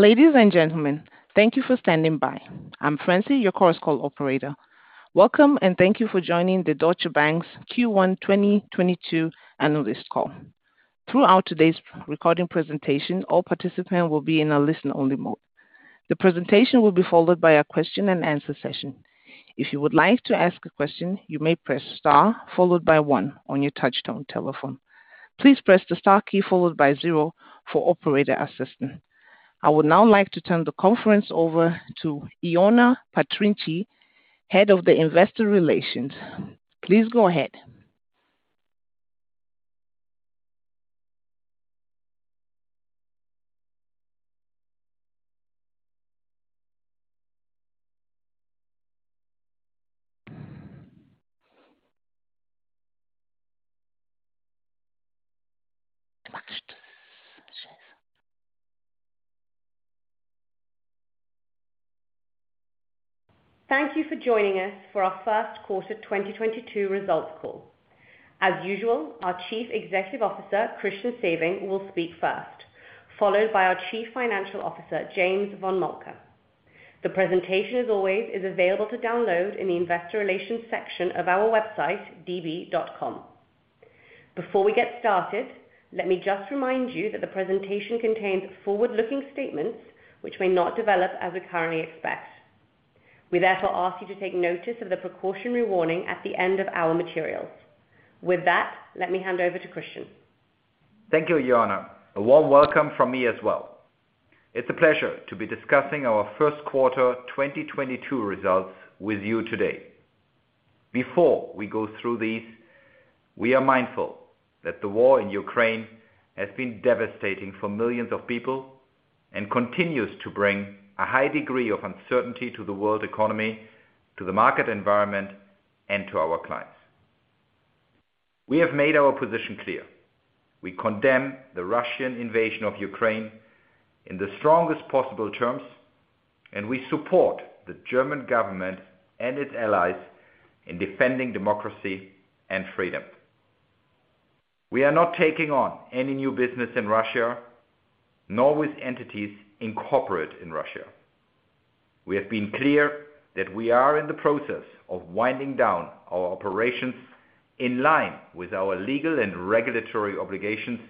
Ladies and gentlemen, thank you for standing by. I'm Francie, your conference operator. Welcome and thank you for joining the Deutsche Bank's Q1 2022 analyst call. Throughout today's recording presentation, all participants will be in a listen-only mode. The presentation will be followed by a question-and-answer session. If you would like to ask a question, you may press star followed by one on your touchtone telephone. Please press the star key followed by zero for operator assistance. I would now like to turn the conference over to Ioana Patriniche, Head of Investor Relations. Please go ahead. Thank you for joining us for our Q1 2022 results call. As usual, our Chief Executive Officer, Christian Sewing, will speak first, followed by our Chief Financial Officer, James von Moltke. The presentation, as always, is available to download in the investor relations section of our website, db.com. Before we get started, let me just remind you that the presentation contains forward-looking statements which may not develop as we currently expect. We therefore ask you to take notice of the precautionary warning at the end of our materials. With that, let me hand over to Christian. Thank you, Ioana. A warm welcome from me as well. It's a pleasure to be discussing our Q1 2022 results with you today. Before we go through these, we are mindful that the war in Ukraine has been devastating for millions of people and continues to bring a high degree of uncertainty to the world economy, to the market environment, and to our clients. We have made our position clear. We condemn the Russian invasion of Ukraine in the strongest possible terms, and we support the German government and its allies in defending democracy and freedom. We are not taking on any new business in Russia, nor with entities incorporated in Russia. We have been clear that we are in the process of winding down our operations in line with our legal and regulatory obligations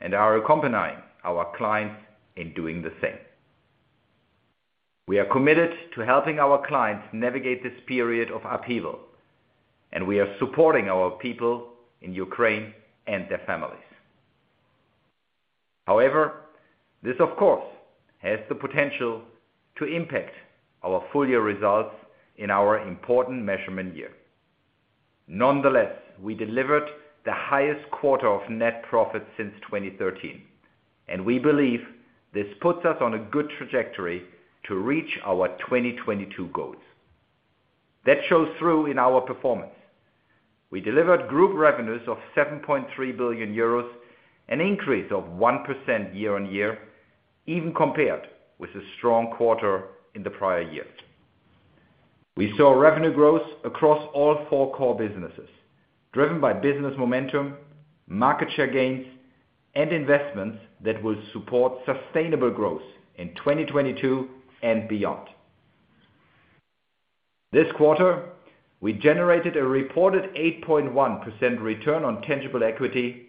and are accompanying our clients in doing the same. We are committed to helping our clients navigate this period of upheaval, and we are supporting our people in Ukraine and their families. However, this of course, has the potential to impact our full year results in our important measurement year. Nonetheless, we delivered the highest quarter of net profits since 2013, and we believe this puts us on a good trajectory to reach our 2022 goals. That shows through in our performance. We delivered group revenues of 7.3 billion euros, an increase of 1% year-on-year, even compared with a strong quarter in the prior year. We saw revenue growth across all four core businesses, driven by business momentum, market share gains, and investments that will support sustainable growth in 2022 and beyond. This quarter, we generated a reported 8.1% return on tangible equity,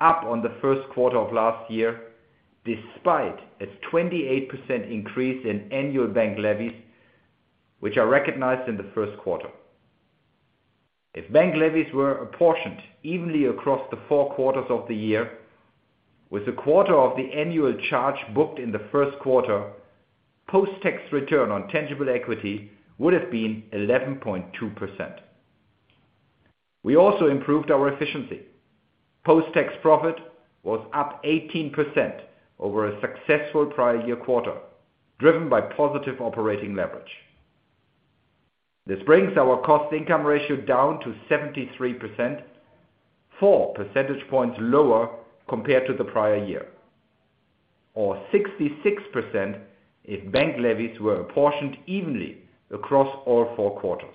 up on the Q1 of last year, despite a 28% increase in annual bank levies, which are recognized in the Q1. If bank levies were apportioned evenly across the four quarters of the year, with a quarter of the annual charge booked in the Q1, post-tax return on tangible equity would have been 11.2%. We also improved our efficiency. Post-tax profit was up 18% over a successful prior year quarter, driven by positive operating leverage. This brings our cost income ratio down to 73%, four percentage points lower compared to the prior year, or 66% if bank levies were apportioned evenly across all four quarters.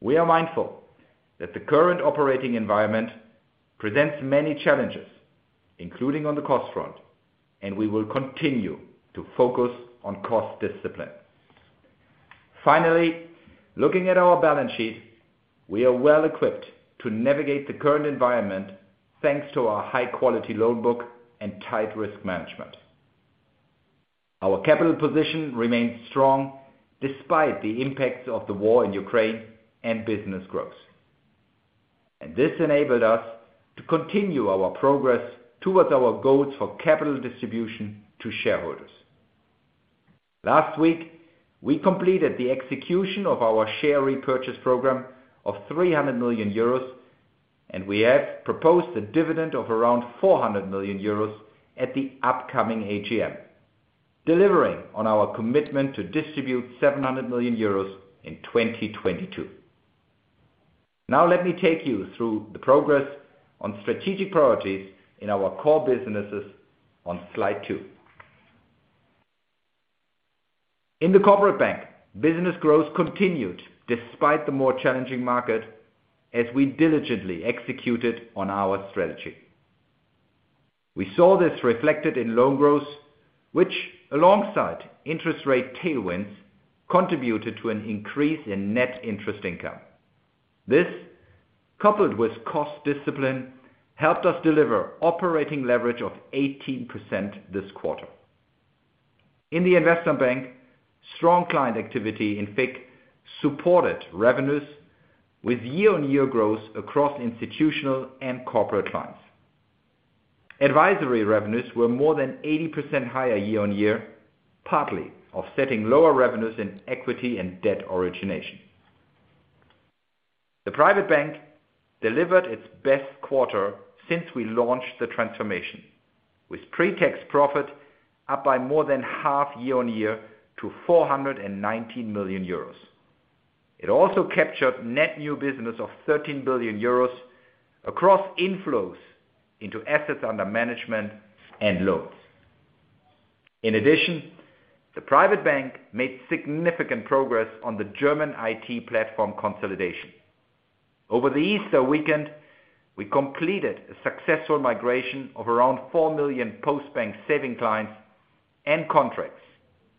We are mindful that the current operating environment presents many challenges, including on the cost front, and we will continue to focus on cost discipline. Finally, looking at our balance sheet, we are well equipped to navigate the current environment thanks to our high-quality loan book and tight risk management. Our capital position remains strong despite the impacts of the war in Ukraine and business growth. This enabled us to continue our progress towards our goals for capital distribution to shareholders. Last week, we completed the execution of our share repurchase program of 300 million euros, and we have proposed a dividend of around 400 million euros at the upcoming AGM, delivering on our commitment to distribute 700 million euros in 2022. Now let me take you through the progress on strategic priorities in our core businesses on slide 2. In the Corporate Bank, business growth continued despite the more challenging market as we diligently executed on our strategy. We saw this reflected in loan growth, which alongside interest rate tailwinds, contributed to an increase in net interest income. This, coupled with cost discipline, helped us deliver operating leverage of 18% this quarter. In the Investment Bank, strong client activity in FICC supported revenues with year-on-year growth across institutional and corporate clients. Advisory revenues were more than 80% higher year-on-year, partly offsetting lower revenues in equity and debt origination. The Private Bank delivered its best quarter since we launched the transformation, with pre-tax profit up by more than half year-on-year to 419 million euros. It also captured net new business of 13 billion euros across inflows into assets under management and loans. In addition, the Private Bank made significant progress on the German IT platform consolidation. Over the Easter weekend, we completed a successful migration of around 4 million Postbank saving clients and contracts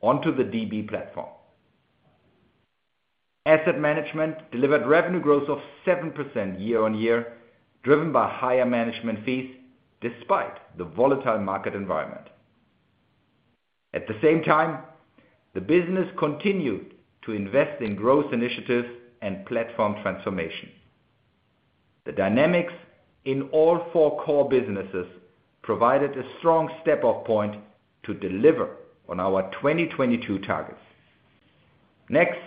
onto the DB platform. Asset Management delivered revenue growth of 7% year-on-year, driven by higher management fees despite the volatile market environment. At the same time, the business continued to invest in growth initiatives and platform transformation. The dynamics in all four core businesses provided a strong step-up point to deliver on our 2022 targets. Next,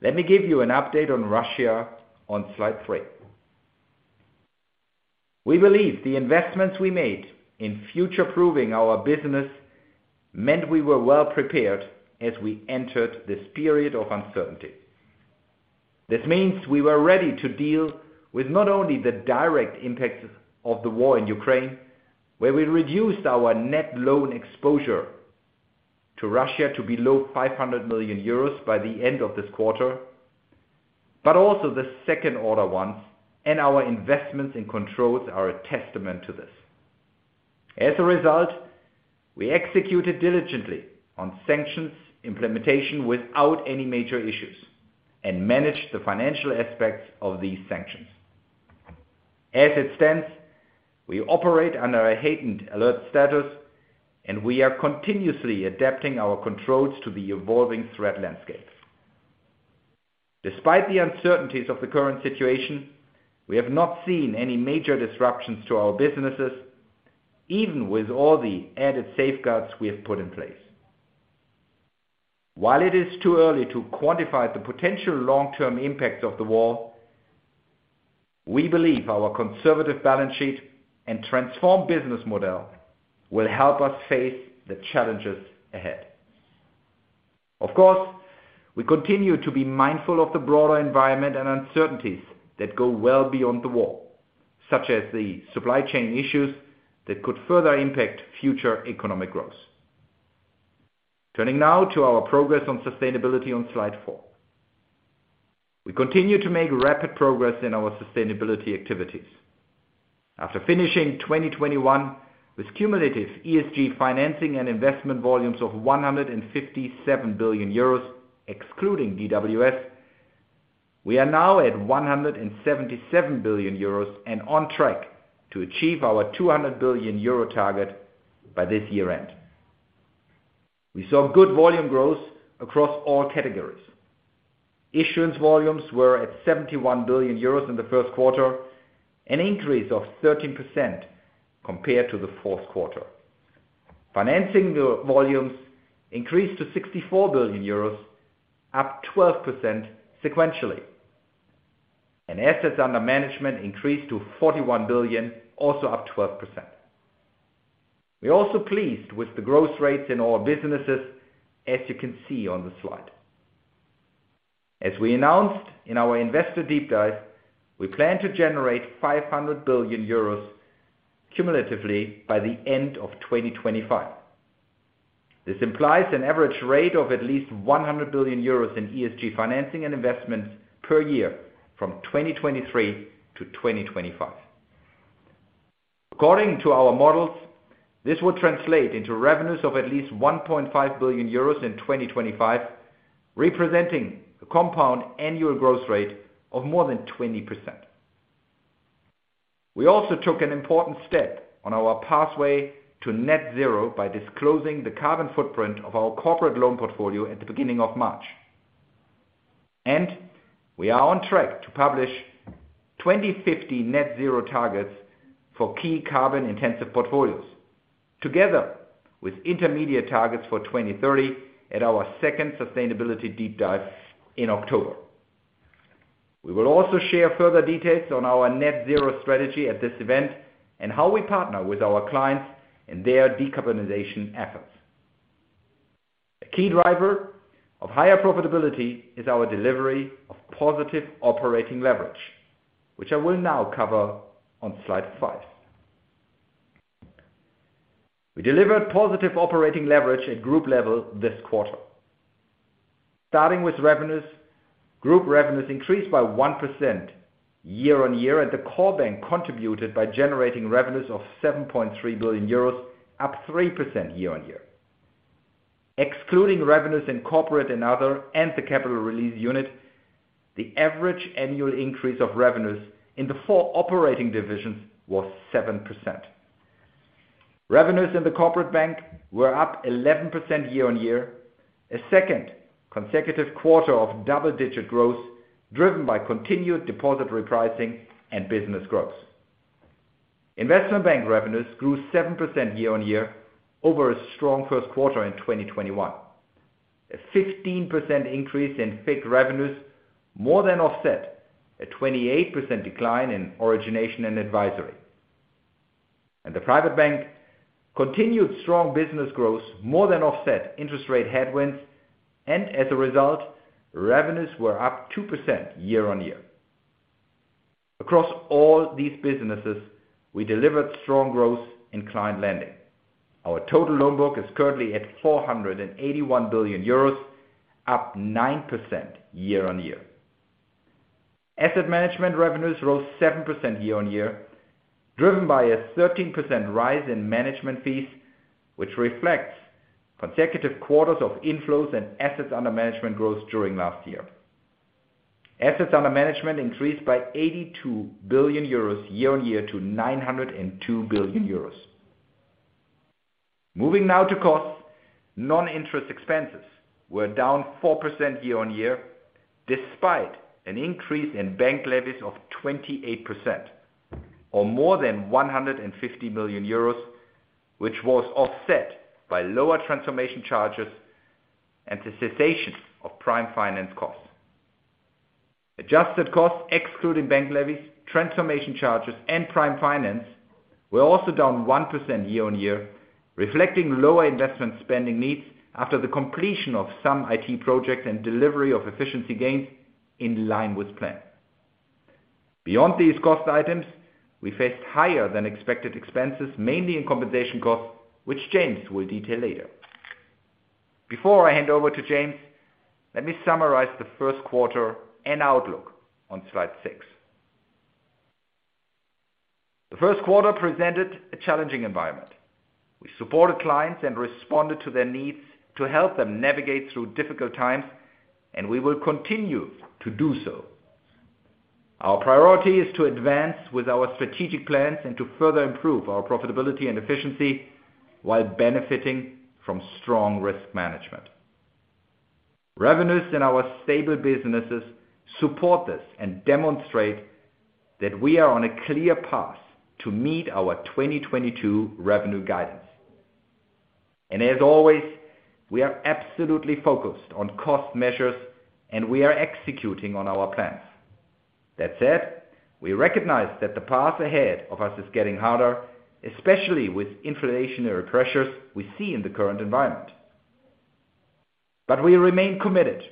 let me give you an update on Russia on slide three. We believe the investments we made in future-proofing our business meant we were well prepared as we entered this period of uncertainty. This means we were ready to deal with not only the direct impacts of the war in Ukraine, where we reduced our net loan exposure to Russia to below 500 million euros by the end of this quarter, but also the second order ones, and our investments and controls are a testament to this. As a result, we executed diligently on sanctions implementation without any major issues and managed the financial aspects of these sanctions. As it stands, we operate under a heightened alert status, and we are continuously adapting our controls to the evolving threat landscape. Despite the uncertainties of the current situation, we have not seen any major disruptions to our businesses, even with all the added safeguards we have put in place. While it is too early to quantify the potential long-term impacts of the war, we believe our conservative balance sheet and transformed business model will help us face the challenges ahead. Of course, we continue to be mindful of the broader environment and uncertainties that go well beyond the war, such as the supply chain issues that could further impact future economic growth. Turning now to our progress on sustainability on slide 4. We continue to make rapid progress in our sustainability activities. After finishing 2021 with cumulative ESG financing and investment volumes of 157 billion euros, excluding DWS, we are now at 177 billion euros and on track to achieve our 200 billion euro target by this year-end. We saw good volume growth across all categories. Issuance volumes were at 71 billion euros in the Q1, an increase of 13% compared to the Q4. Financing volumes increased to 64 billion euros, up 12% sequentially. Assets under management increased to 41 billion, also up 12%. We are also pleased with the growth rates in our businesses, as you can see on the slide. As we announced in our investor deep dive, we plan to generate 500 billion euros cumulatively by the end of 2025. This implies an average rate of at least 100 billion euros in ESG financing and investments per year from 2023 to 2025. According to our models, this would translate into revenues of at least 1.5 billion euros in 2025, representing a compound annual growth rate of more than 20%. We also took an important step on our pathway to net zero by disclosing the carbon footprint of our corporate loan portfolio at the beginning of March. We are on track to publish 2050 net zero targets for key carbon intensive portfolios, together with intermediate targets for 2030 at our second sustainability deep dive in October. We will also share further details on our net zero strategy at this event and how we partner with our clients in their decarbonization efforts. A key driver of higher profitability is our delivery of positive operating leverage, which I will now cover on slide 5. We delivered positive operating leverage at group level this quarter. Starting with revenues, group revenues increased by 1% year-on-year, and the core bank contributed by generating revenues of 7.3 billion euros, up 3% year-on-year. Excluding revenues in Corporate and Other, and the Capital Release Unit, the average annual increase of revenues in the four operating divisions was 7%. Revenues in the Corporate Bank were up 11% year-on-year, a second consecutive quarter of double-digit growth driven by continued deposit repricing and business growth. Investment Bank revenues grew 7% year-on-year over a strong Q1 in 2021. A 15% increase in FICC revenues more than offset a 28% decline in Origination & Advisory. The Private Bank continued strong business growth more than offset interest rate headwinds, and as a result, revenues were up 2% year-on-year. Across all these businesses, we delivered strong growth in client lending. Our total loan book is currently at 481 billion euros, up 9% year-on-year. Asset Management revenues rose 7% year-on-year, driven by a 13% rise in management fees, which reflects consecutive quarters of inflows and assets under management growth during last year. Assets under management increased by 82 billion euros year-on-year to 902 billion euros. Moving now to costs, non-interest expenses were down 4% year-on-year, despite an increase in bank levies of 28% or more than 150 million euros, which was offset by lower transformation charges and the cessation of Prime Finance costs. Adjusted costs excluding bank levies, transformation charges, and Prime Finance were also down 1% year-on-year, reflecting lower investment spending needs after the completion of some IT projects and delivery of efficiency gains in line with plan. Beyond these cost items, we faced higher than expected expenses, mainly in compensation costs, which James will detail later. Before I hand over to James, let me summarize the Q1 and outlook on slide 6. The Q1 presented a challenging environment. We supported clients and responded to their needs to help them navigate through difficult times, and we will continue to do so. Our priority is to advance with our strategic plans and to further improve our profitability and efficiency while benefiting from strong risk management. Revenues in our stable businesses support this and demonstrate that we are on a clear path to meet our 2022 revenue guidance. As always, we are absolutely focused on cost measures, and we are executing on our plans. That said, we recognize that the path ahead of us is getting harder, especially with inflationary pressures we see in the current environment. We remain committed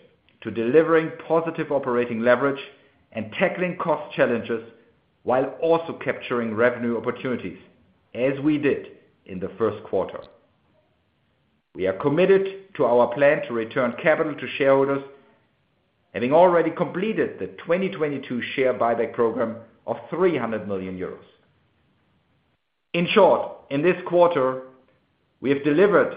to delivering positive operating leverage and tackling cost challenges while also capturing revenue opportunities as we did in the Q1. We are committed to our plan to return capital to shareholders, having already completed the 2022 share buyback program of 300 million euros. In short, in this quarter, we have delivered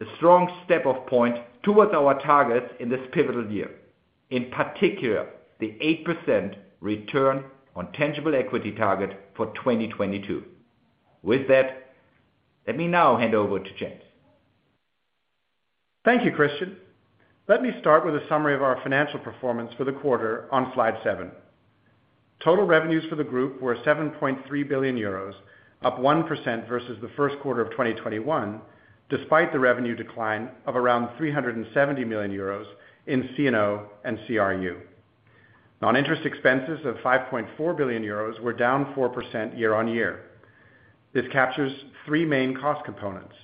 a strong step forward towards our targets in this pivotal year, in particular, the 8% return on tangible equity target for 2022. With that, let me now hand over to James. Thank you, Christian. Let me start with a summary of our financial performance for the quarter on slide 7. Total revenues for the group were 7.3 billion euros, up 1% versus the Q1 of 2021, despite the revenue decline of around 370 million euros in CNO and CRU. Non-interest expenses of 5.4 billion euros were down 4% year-on-year. This captures three main cost components.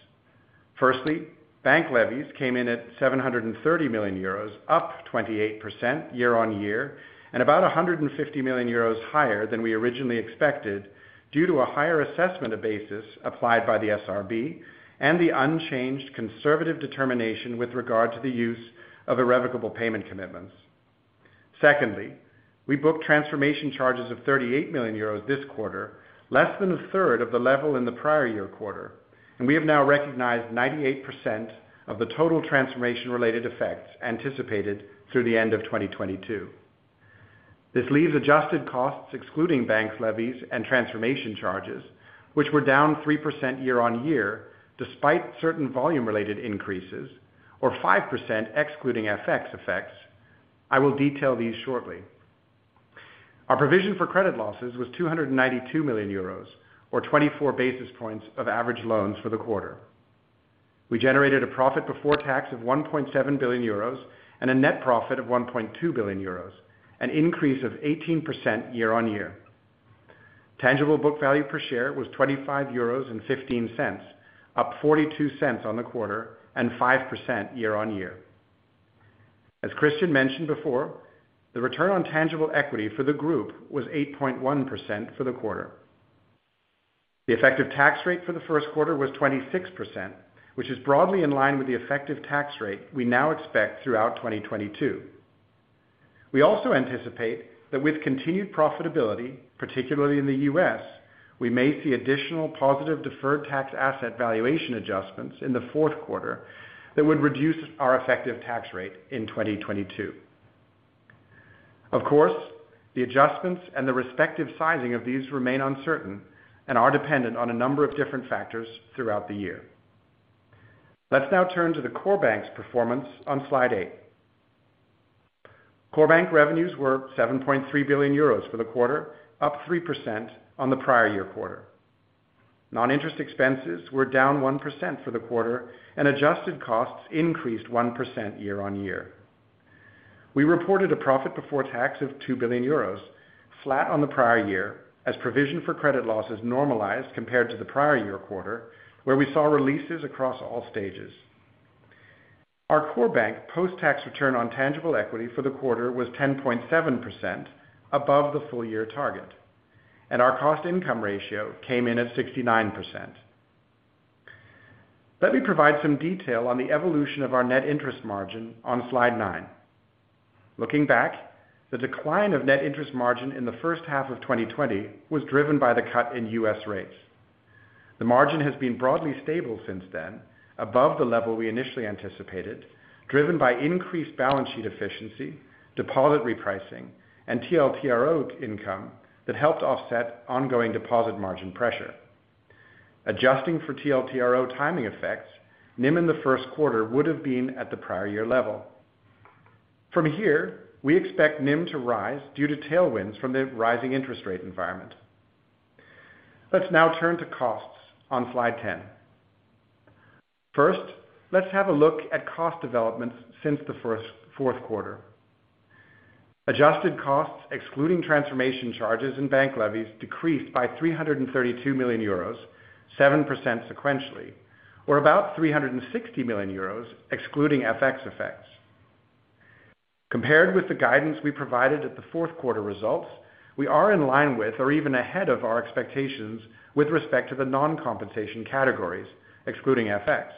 Firstly, bank levies came in at 730 million euros, up 28% year-on-year, and about 150 million euros higher than we originally expected due to a higher assessment of basis applied by the SRB and the unchanged conservative determination with regard to the use of irrevocable payment commitments. Secondly, we booked transformation charges of 38 million euros this quarter, less than a third of the level in the prior year quarter, and we have now recognized 98% of the total transformation-related effects anticipated through the end of 2022. This leaves adjusted costs excluding bank levies and transformation charges, which were down 3% year-on-year, despite certain volume related increases or 5% excluding FX effects. I will detail these shortly. Our provision for credit losses was 292 million euros or 24 basis points of average loans for the quarter. We generated a profit before tax of 1.7 billion euros and a net profit of 1.2 billion euros, an increase of 18% year-on-year. Tangible book value per share was 25.15 euros, up 0.42 on the quarter and 5% year-on-year. As Christian mentioned before, the return on tangible equity for the group was 8.1% for the quarter. The effective tax rate for the Q1 was 26%, which is broadly in line with the effective tax rate we now expect throughout 2022. We also anticipate that with continued profitability, particularly in the US, we may see additional positive deferred tax asset valuation adjustments in the Q4 that would reduce our effective tax rate in 2022. Of course, the adjustments and the respective sizing of these remain uncertain and are dependent on a number of different factors throughout the year. Let's now turn to the core bank's performance on slide eight. Core bank revenues were 7.3 billion euros for the quarter, up 3% on the prior year quarter. Non-interest expenses were down 1% for the quarter, and adjusted costs increased 1% year on year. We reported a profit before tax of 2 billion euros, flat on the prior year, as provision for credit losses normalized compared to the prior year quarter, where we saw releases across all stages. Our core bank post-tax return on tangible equity for the quarter was 10.7% above the full year target, and our cost income ratio came in at 69%. Let me provide some detail on the evolution of our net interest margin on slide nine. Looking back, the decline of net interest margin in the H1 of 2020 was driven by the cut in US rates. The margin has been broadly stable since then, above the level we initially anticipated, driven by increased balance sheet efficiency, deposit repricing, and TLTRO income that helped offset ongoing deposit margin pressure. Adjusting for TLTRO timing effects, NIM in the Q1 would have been at the prior year level. From here, we expect NIM to rise due to tailwinds from the rising interest rate environment. Let's now turn to costs on slide 10. First, let's have a look at cost developments since the Q4. Adjusted costs, excluding transformation charges and bank levies decreased by 332 million euros, 7% sequentially, or about 360 million euros excluding FX effects. Compared with the guidance we provided at the Q4 results, we are in line with or even ahead of our expectations with respect to the non-compensation categories, excluding FX.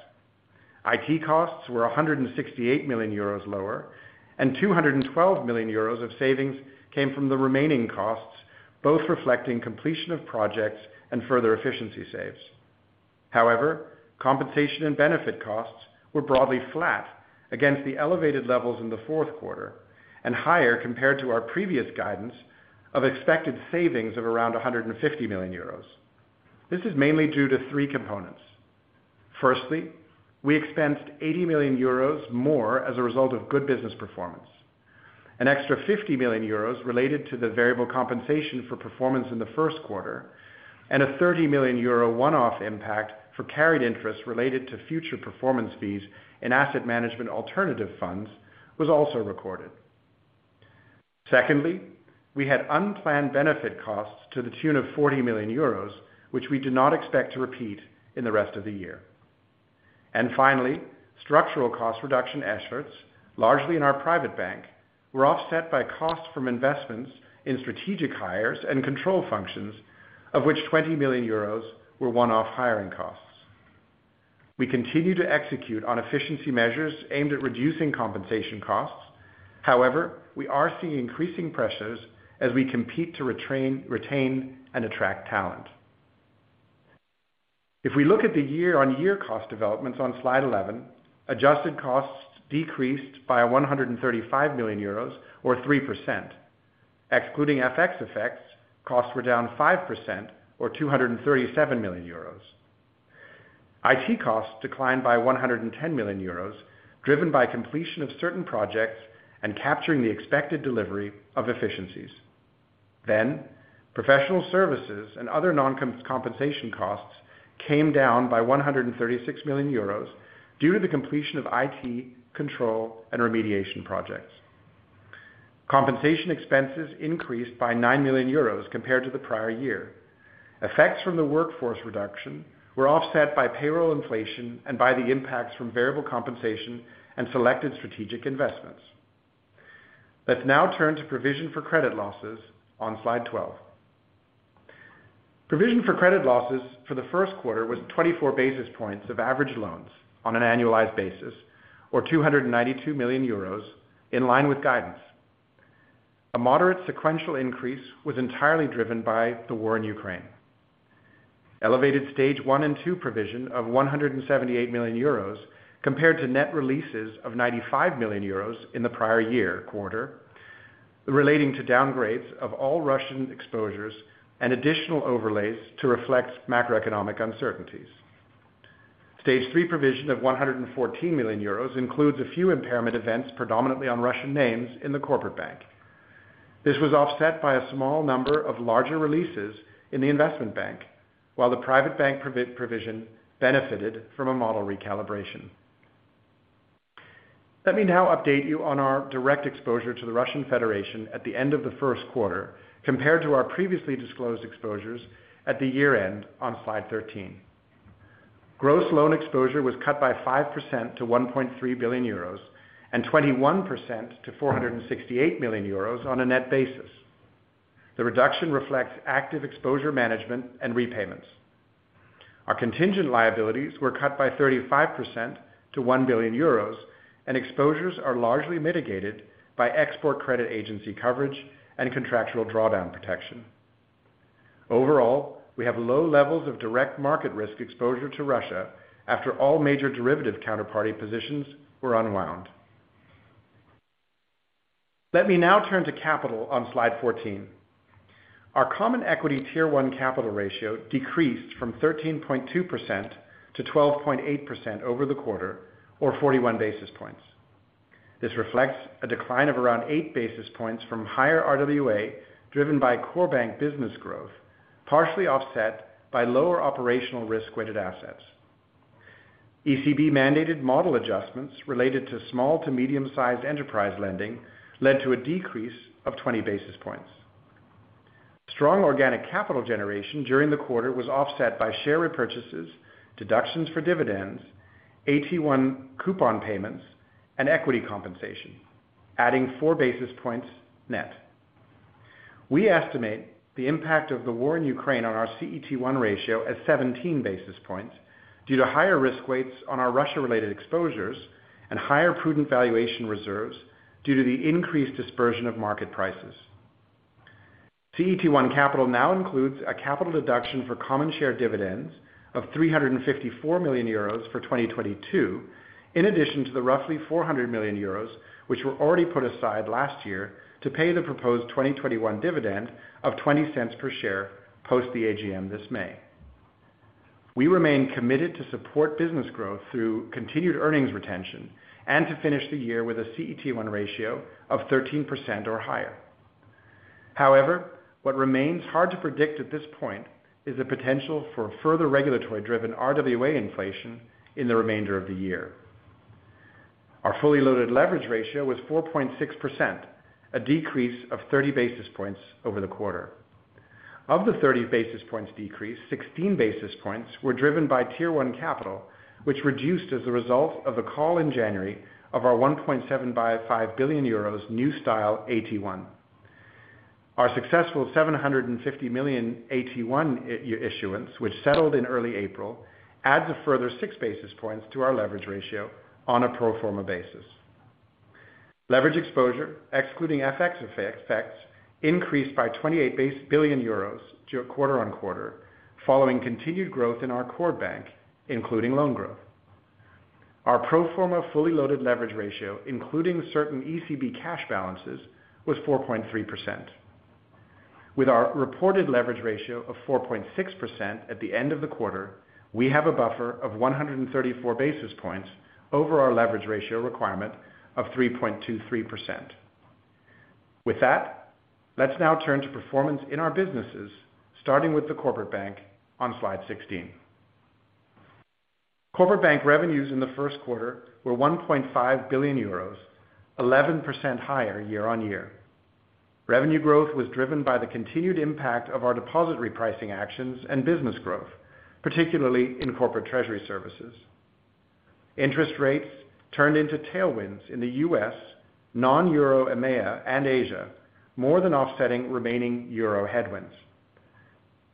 IT costs were 168 million euros lower, and 212 million euros of savings came from the remaining costs, both reflecting completion of projects and further efficiency savings. However, compensation and benefit costs were broadly flat against the elevated levels in the Q4 and higher compared to our previous guidance of expected savings of around 150 million euros. This is mainly due to three components. Firstly, we expensed 80 million euros more as a result of good business performance. An extra 50 million euros related to the variable compensation for performance in the Q1, and a 30 million euro one-off impact for carried interest related to future performance fees and Asset Management alternative funds was also recorded. Secondly, we had unplanned benefit costs to the tune of 40 million euros, which we do not expect to repeat in the rest of the year. Finally, structural cost reduction efforts, largely in our Private Bank, were offset by costs from investments in strategic hires and control functions, of which 20 million euros were one-off hiring costs. We continue to execute on efficiency measures aimed at reducing compensation costs. However, we are seeing increasing pressures as we compete to retrain, retain, and attract talent. If we look at the year-on-year cost developments on slide 11, adjusted costs decreased by 135 million euros or 3%. Excluding FX effects, costs were down 5% or 237 million euros. IT costs declined by 110 million euros, driven by completion of certain projects and capturing the expected delivery of efficiencies. Professional services and other non-compensation costs came down by 136 million euros due to the completion of IT, control, and remediation projects. Compensation expenses increased by 9 million euros compared to the prior year. Effects from the workforce reduction were offset by payroll inflation and by the impacts from variable compensation and selected strategic investments. Let's now turn to provision for credit losses on slide 12. Provision for credit losses for the Q1 was 24 basis points of average loans on an annualized basis or 292 million euros in line with guidance. A moderate sequential increase was entirely driven by the war in Ukraine. Elevated Stage 1 and 2 provision of 178 million euros compared to net releases of 95 million euros in the prior year quarter, relating to downgrades of all Russian exposures and additional overlays to reflect macroeconomic uncertainties. Stage 3 provision of 114 million euros includes a few impairment events, predominantly on Russian names in the Corporate Bank. This was offset by a small number of larger releases in the Investment Bank, while the Private Bank provision benefited from a model recalibration. Let me now update you on our direct exposure to the Russian Federation at the end of the Q1 compared to our previously disclosed exposures at the year-end on slide 13. Gross loan exposure was cut by 5% to 1.3 billion euros and 21% to 468 million euros on a net basis. The reduction reflects active exposure management and repayments. Our contingent liabilities were cut by 35% to 1 billion euros, and exposures are largely mitigated by export credit agency coverage and contractual drawdown protection. Overall, we have low levels of direct market risk exposure to Russia after all major derivative counterparty positions were unwound. Let me now turn to capital on slide 14. Our common equity tier one capital ratio decreased from 13.2 to 12.8% over the quarter, or 41 basis points. This reflects a decline of around 8 basis points from higher RWA, driven by core bank business growth, partially offset by lower operational risk-weighted assets. ECB-mandated model adjustments related to small to medium-sized enterprise lending led to a decrease of 20 basis points. Strong organic capital generation during the quarter was offset by share repurchases, deductions for dividends, AT-1 coupon payments, and equity compensation, adding 4 basis points net. We estimate the impact of the war in Ukraine on our CET1 ratio as 17 basis points due to higher risk weights on our Russia-related exposures and higher prudent valuation reserves due to the increased dispersion of market prices. CET1 capital now includes a capital deduction for common share dividends of 354 million euros for 2022, in addition to the roughly 400 million euros which were already put aside last year to pay the proposed 2021 dividend of 0.20 per share post the AGM this May. We remain committed to support business growth through continued earnings retention and to finish the year with a CET1 ratio of 13% or higher. However, what remains hard to predict at this point is the potential for further regulatory-driven RWA inflation in the remainder of the year. Our fully loaded leverage ratio was 4.6%, a decrease of 30 basis points over the quarter. Of the 30 basis points decrease, 16 basis points were driven by tier one capital, which reduced as a result of the call in January of our 1.75 billion euros new style AT-1. Our successful 750 million AT-1 issuance, which settled in early April, adds a further 6 basis points to our leverage ratio on a pro forma basis. Leverage exposure, excluding FX effects, increased by 28 billion euros quarter-on-quarter following continued growth in our core bank, including loan growth. Our pro forma fully loaded leverage ratio, including certain ECB cash balances, was 4.3%. With our reported leverage ratio of 4.6% at the end of the quarter, we have a buffer of 134 basis points over our leverage ratio requirement of 3.23%. With that, let's now turn to performance in our businesses, starting with the Corporate Bank on slide 16. Corporate Bank revenues in the Q1 were 1.5 billion euros, 11% higher year-on-year. Revenue growth was driven by the continued impact of our deposit repricing actions and business growth, particularly in Corporate Treasury Services. Interest rates turned into tailwinds in the U.S., non-euro EMEA, and Asia, more than offsetting remaining euro headwinds.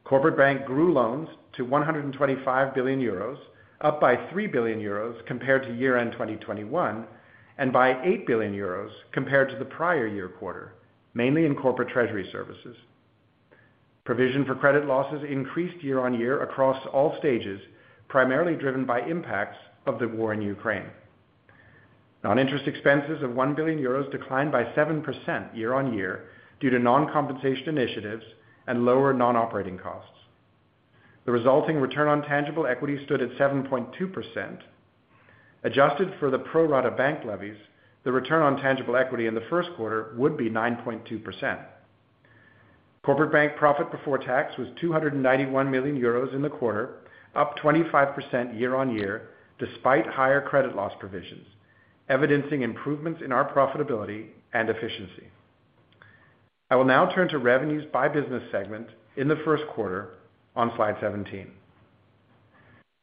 Corporate Bank grew loans to 125 billion euros, up by 3 billion euros compared to year-end 2021, and by 8 billion euros compared to the prior-year quarter, mainly in Corporate Treasury Services. Provision for credit losses increased year-on-year across all stages, primarily driven by impacts of the war in Ukraine. Non-interest expenses of 1 billion euros declined by 7% year-on-year due to non-compensation initiatives and lower non-operating costs. The resulting return on tangible equity stood at 7.2%. Adjusted for the pro rata bank levies, the return on tangible equity in the Q1 would be 9.2%. Corporate Bank profit before tax was 291 million euros in the quarter, up 25% year-on-year, despite higher credit loss provisions, evidencing improvements in our profitability and efficiency. I will now turn to revenues by business segment in the Q1 on slide 17.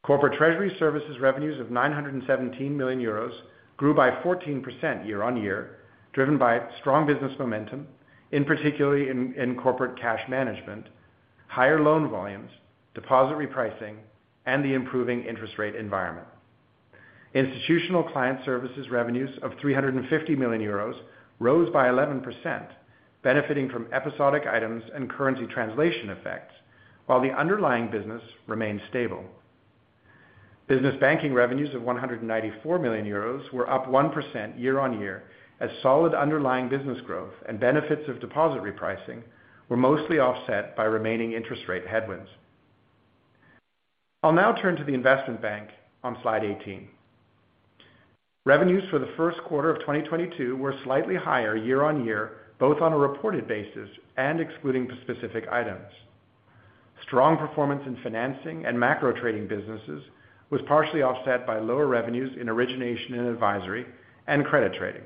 Corporate Treasury Services revenues of 917 million euros grew by 14% year-on-year, driven by strong business momentum, in particular in corporate cash management, higher loan volumes, deposit repricing, and the improving interest rate environment. Institutional Client Services revenues of 350 million euros rose by 11%, benefiting from episodic items and currency translation effects, while the underlying business remained stable. Business Banking revenues of 194 million euros were up 1% year-on-year as solid underlying business growth and benefits of deposit repricing were mostly offset by remaining interest rate headwinds. I'll now turn to the Investment Bank on slide 18. Revenues for the Q1 of 2022 were slightly higher year-on-year, both on a reported basis and excluding specific items. Strong performance in financing and macro trading businesses was partially offset by lower revenues in Origination & Advisory and Credit Trading.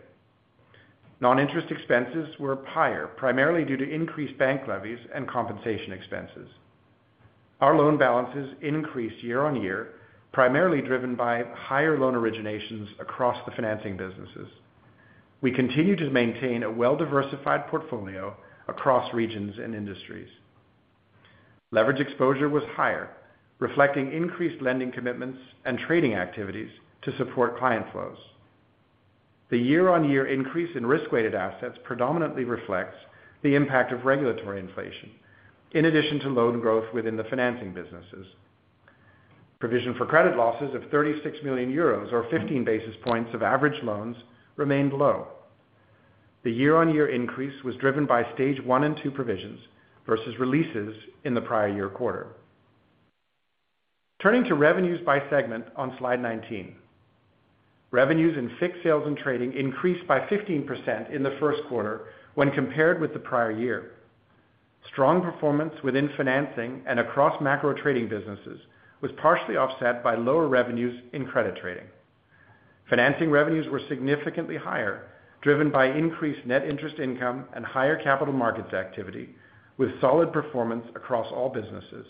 Noninterest expenses were higher, primarily due to increased bank levies and compensation expenses. Our loan balances increased year-on-year, primarily driven by higher loan originations across the financing businesses. We continue to maintain a well-diversified portfolio across regions and industries. Leverage exposure was higher, reflecting increased lending commitments and trading activities to support client flows. The year-on-year increase in risk-weighted assets predominantly reflects the impact of regulatory inflation in addition to loan growth within the financing businesses. Provision for credit losses of 36 million euros or 15 basis points of average loans remained low. The year-on-year increase was driven by Stage One and Two provisions versus releases in the prior year quarter. Turning to revenues by segment on slide 19. Revenues in FICC sales and trading increased by 15% in the Q1 when compared with the prior year. Strong performance within financing and across macro trading businesses was partially offset by lower revenues in credit trading. Financing revenues were significantly higher, driven by increased net interest income and higher capital markets activity, with solid performance across all businesses.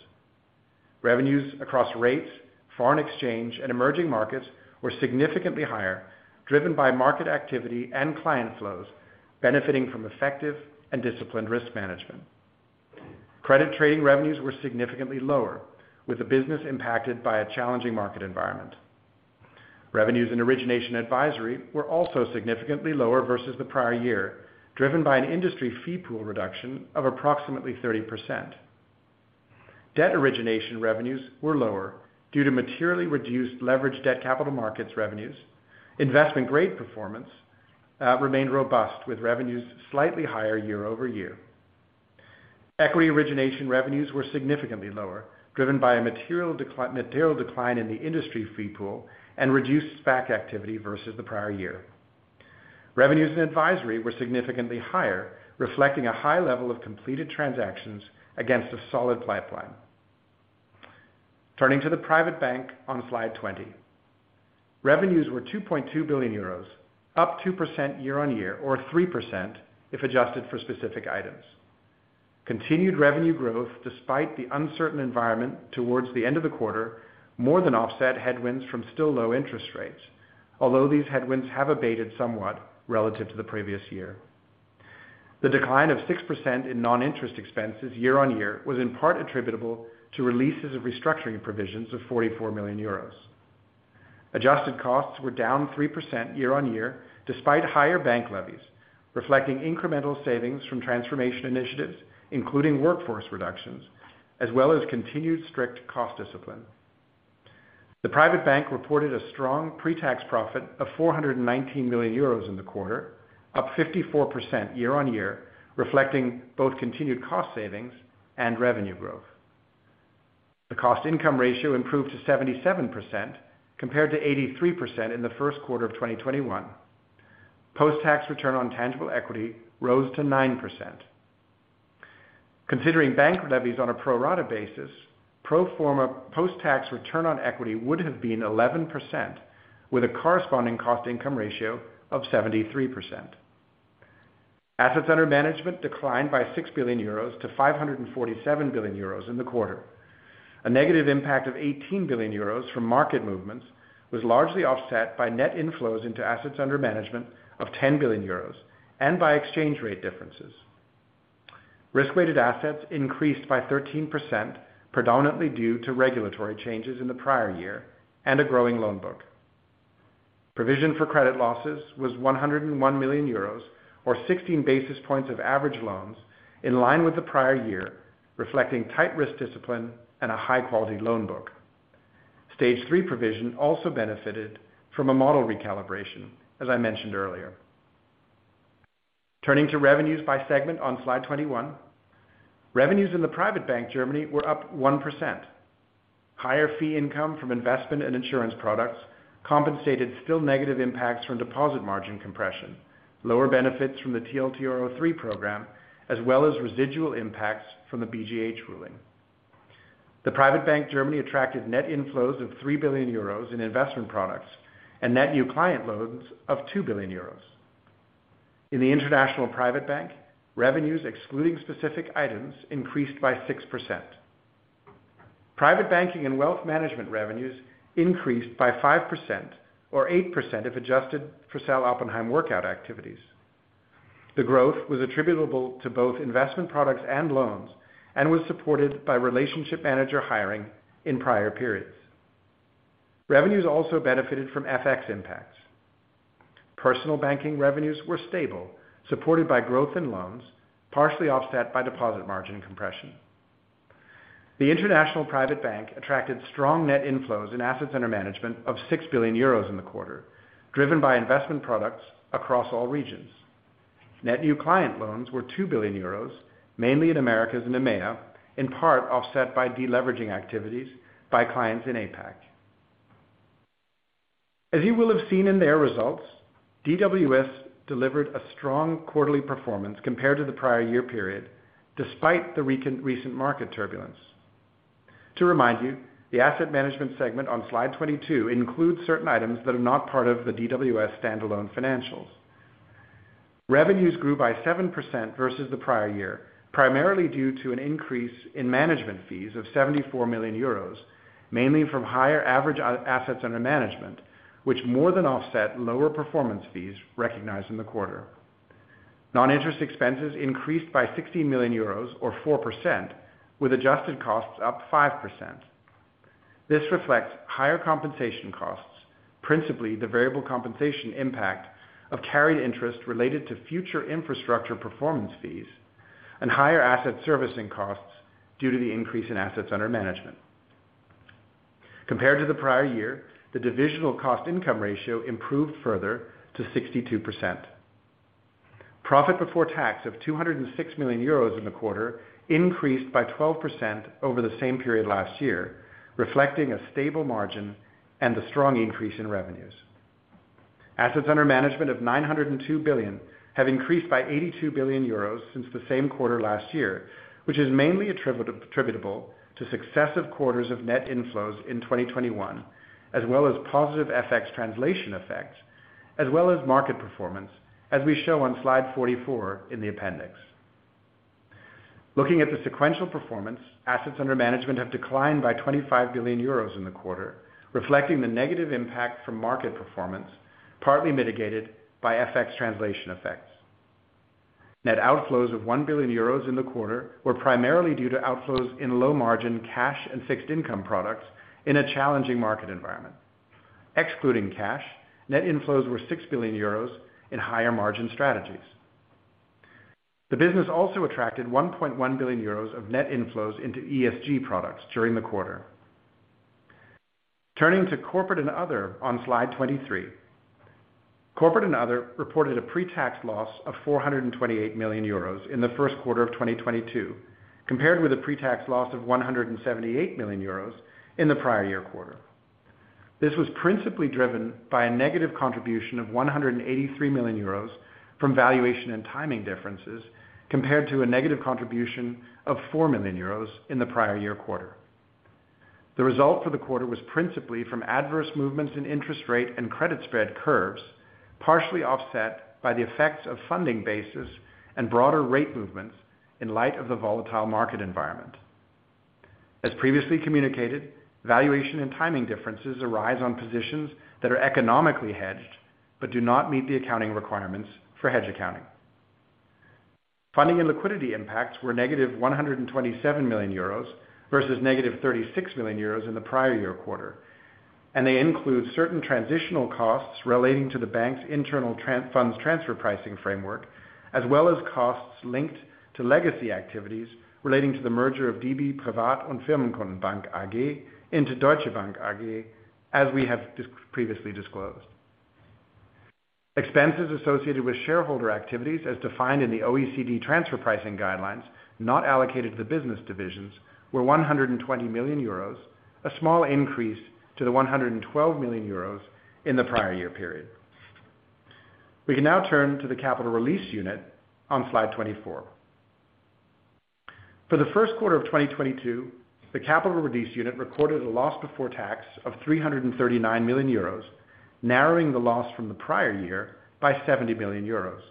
Revenues across rates, foreign exchange, and emerging markets were significantly higher, driven by market activity and client flows, benefiting from effective and disciplined risk management. Credit trading revenues were significantly lower, with the business impacted by a challenging market environment. Revenues and origination advisory were also significantly lower versus the prior year, driven by an industry fee pool reduction of approximately 30%. Debt origination revenues were lower due to materially reduced leverage debt capital markets revenues. Investment grade performance remained robust, with revenues slightly higher year-over-year. Equity origination revenues were significantly lower, driven by a material decline in the industry fee pool and reduced SPAC activity versus the prior year. Revenues and advisory were significantly higher, reflecting a high level of completed transactions against a solid pipeline. Turning to the Private Bank on slide 20. Revenues were 2.2 billion euros, up 2% year-over-year, or 3% if adjusted for specific items. Continued revenue growth despite the uncertain environment towards the end of the quarter, more than offset headwinds from still low interest rates. Although these headwinds have abated somewhat relative to the previous year. The decline of 6% in non-interest expenses year-on-year was in part attributable to releases of restructuring provisions of 44 million euros. Adjusted costs were down 3% year-on-year, despite higher bank levies, reflecting incremental savings from transformation initiatives, including workforce reductions, as well as continued strict cost discipline. The Private Bank reported a strong pre-tax profit of 419 million euros in the quarter, up 54% year-on-year, reflecting both continued cost savings and revenue growth. The cost-income ratio improved to 77%, compared to 83% in the Q1 of 2021. Post-tax return on tangible equity rose to 9%. Considering bank levies on a pro rata basis, pro forma post-tax return on equity would have been 11%, with a corresponding cost income ratio of 73%. Assets under management declined by 6 to 547 billion in the quarter. A negative impact of 18 billion euros from market movements was largely offset by net inflows into assets under management of 10 billion euros and by exchange rate differences. Risk weighted assets increased by 13%, predominantly due to regulatory changes in the prior year and a growing loan book. Provision for credit losses was 101 million euros or 16 basis points of average loans, in line with the prior year, reflecting tight risk discipline and a high-quality loan book. Stage three provision also benefited from a model recalibration, as I mentioned earlier. Turning to revenues by segment on slide 21. Revenues in the Private Bank Germany were up 1%. Higher fee income from investment and insurance products compensated still negative impacts from deposit margin compression, lower benefits from the TLTRO III program, as well as residual impacts from the BGH ruling. The Private Bank Germany attracted net inflows of 3 billion euros in investment products and net new client loans of 2 billion euros. In the International Private Bank, revenues excluding specific items increased by 6%. Private banking and wealth management revenues increased by 5% or 8% if adjusted for Sal. Oppenheim workout activities. The growth was attributable to both investment products and loans and was supported by relationship manager hiring in prior periods. Revenues also benefited from FX impacts. Personal banking revenues were stable, supported by growth in loans, partially offset by deposit margin compression. The International Private Bank attracted strong net inflows in assets under management of 6 billion euros in the quarter, driven by investment products across all regions. Net new client loans were 2 billion euros, mainly in Americas and EMEA, in part offset by deleveraging activities by clients in APAC. As you will have seen in their results, DWS delivered a strong quarterly performance compared to the prior year period despite the recent market turbulence. To remind you, the asset management segment on slide 22 includes certain items that are not part of the DWS standalone financials. Revenues grew by 7% versus the prior year, primarily due to an increase in management fees of 74 million euros, mainly from higher average assets under management, which more than offset lower performance fees recognized in the quarter. Non-interest expenses increased by 60 million euros or 4% with adjusted costs up 5%. This reflects higher compensation costs, principally the variable compensation impact of carried interest related to future infrastructure performance fees and higher asset servicing costs due to the increase in assets under management. Compared to the prior year, the divisional cost income ratio improved further to 62%. Profit before tax of 206 million euros in the quarter increased by 12% over the same period last year, reflecting a stable margin and the strong increase in revenues. Assets under management of 902 billion have increased by 82 billion euros since the same quarter last year, which is mainly attributable to successive quarters of net inflows in 2021, as well as positive FX translation effects, as well as market performance, as we show on slide 44 in the appendix. Looking at the sequential performance, assets under management have declined by 25 billion euros in the quarter, reflecting the negative impact from market performance, partly mitigated by FX translation effects. Net outflows of 1 billion euros in the quarter were primarily due to outflows in low margin cash and fixed income products in a challenging market environment. Excluding cash, net inflows were 6 billion euros in higher margin strategies. The business also attracted 1.1 billion euros of net inflows into ESG products during the quarter. Turning to corporate and other on slide 23. Corporate and other reported a pre-tax loss of 428 million euros in the Q1 of 2022, compared with a pre-tax loss of 178 million euros in the prior year quarter. This was principally driven by a negative contribution of 183 million euros from valuation and timing differences, compared to a negative contribution of 4 million euros in the prior year quarter. The result for the quarter was principally from adverse movements in interest rate and credit spread curves, partially offset by the effects of funding bases and broader rate movements in light of the volatile market environment. As previously communicated, valuation and timing differences arise on positions that are economically hedged, but do not meet the accounting requirements for hedge accounting. Funding and liquidity impacts were negative 127 million euros versus negative 36 million euros in the prior year quarter. They include certain transitional costs relating to the bank's internal transfer pricing framework, as well as costs linked to legacy activities relating to the merger of DB Privat- und Firmenkundenbank AG into Deutsche Bank AG, as we have disclosed previously. Expenses associated with shareholder activities as defined in the OECD transfer pricing guidelines not allocated to the business divisions were 120 million euros, a small increase to the 112 million euros in the prior year period. We can now turn to the Capital Release Unit on slide 24. For the Q1 of 2022, the Capital Release Unit recorded a loss before tax of 339 million euros, narrowing the loss from the prior year by 70 million euros.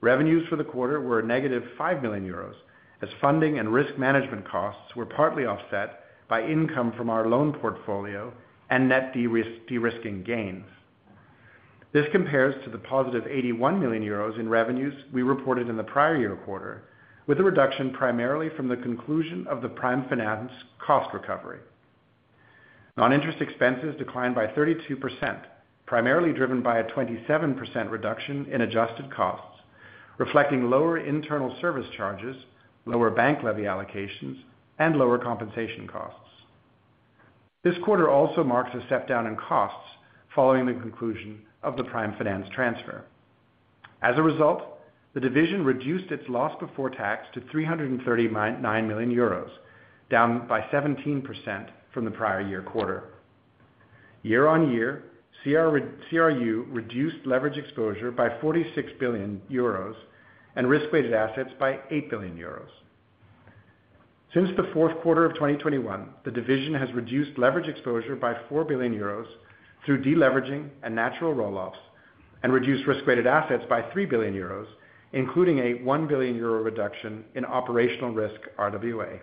Revenues for the quarter were negative 5 million euros as funding and risk management costs were partly offset by income from our loan portfolio and net de-risking gains. This compares to positive 81 million euros in revenues we reported in the prior year quarter, with a reduction primarily from the conclusion of the Prime Finance cost recovery. Non-interest expenses declined by 32%, primarily driven by a 27% reduction in adjusted costs, reflecting lower internal service charges, lower bank levy allocations, and lower compensation costs. This quarter also marks a step-down in costs following the conclusion of the Prime Finance transfer. As a result, the division reduced its loss before tax to 339 million euros, down by 17% from the prior year quarter. Year on year, CRU reduced leverage exposure by 46 billion euros and risk-weighted assets by 8 billion euros. Since the Q4 of 2021, the division has reduced leverage exposure by 4 billion euros through de-leveraging and natural roll-offs, and reduced risk-weighted assets by 3 billion euros, including a 1 billion euro reduction in operational risk RWA.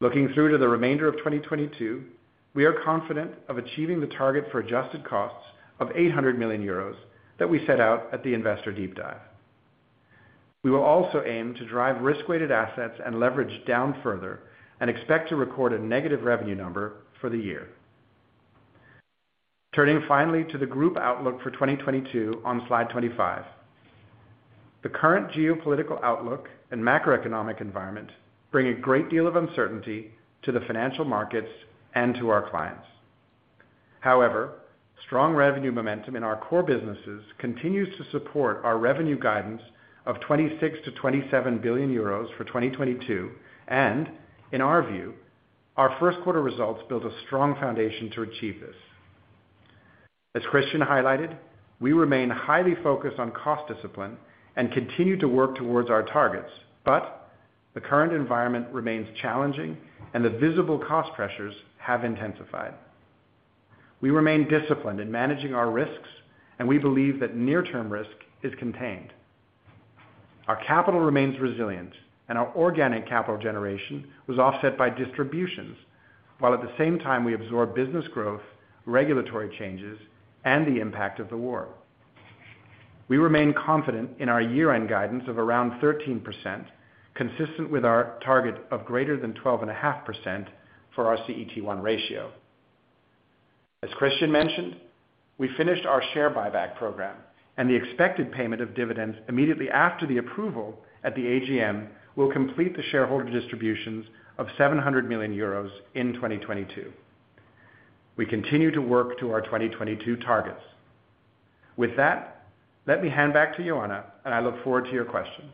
Looking through to the remainder of 2022, we are confident of achieving the target for adjusted costs of 800 million euros that we set out at the investor deep dive. We will also aim to drive risk-weighted assets and leverage down further and expect to record a negative revenue number for the year. Turning finally to the group outlook for 2022 on slide 25. The current geopolitical outlook and macroeconomic environment bring a great deal of uncertainty to the financial markets and to our clients. However, strong revenue momentum in our core businesses continues to support our revenue guidance of 26 to 27 billion for 2022, and in our view, our Q1 results build a strong foundation to achieve this. As Christian highlighted, we remain highly focused on cost discipline and continue to work towards our targets, but the current environment remains challenging and the visible cost pressures have intensified. We remain disciplined in managing our risks, and we believe that near-term risk is contained. Our capital remains resilient, and our organic capital generation was offset by distributions, while at the same time we absorb business growth, regulatory changes, and the impact of the war. We remain confident in our year-end guidance of around 13%, consistent with our target of greater than 12.5% for our CET1 ratio. As Christian Sewing mentioned, we finished our share buyback program, and the expected payment of dividends immediately after the approval at the AGM will complete the shareholder distributions of 700 million euros in 2022. We continue to work to our 2022 targets. With that, let me hand back to Ioana, and I look forward to your questions.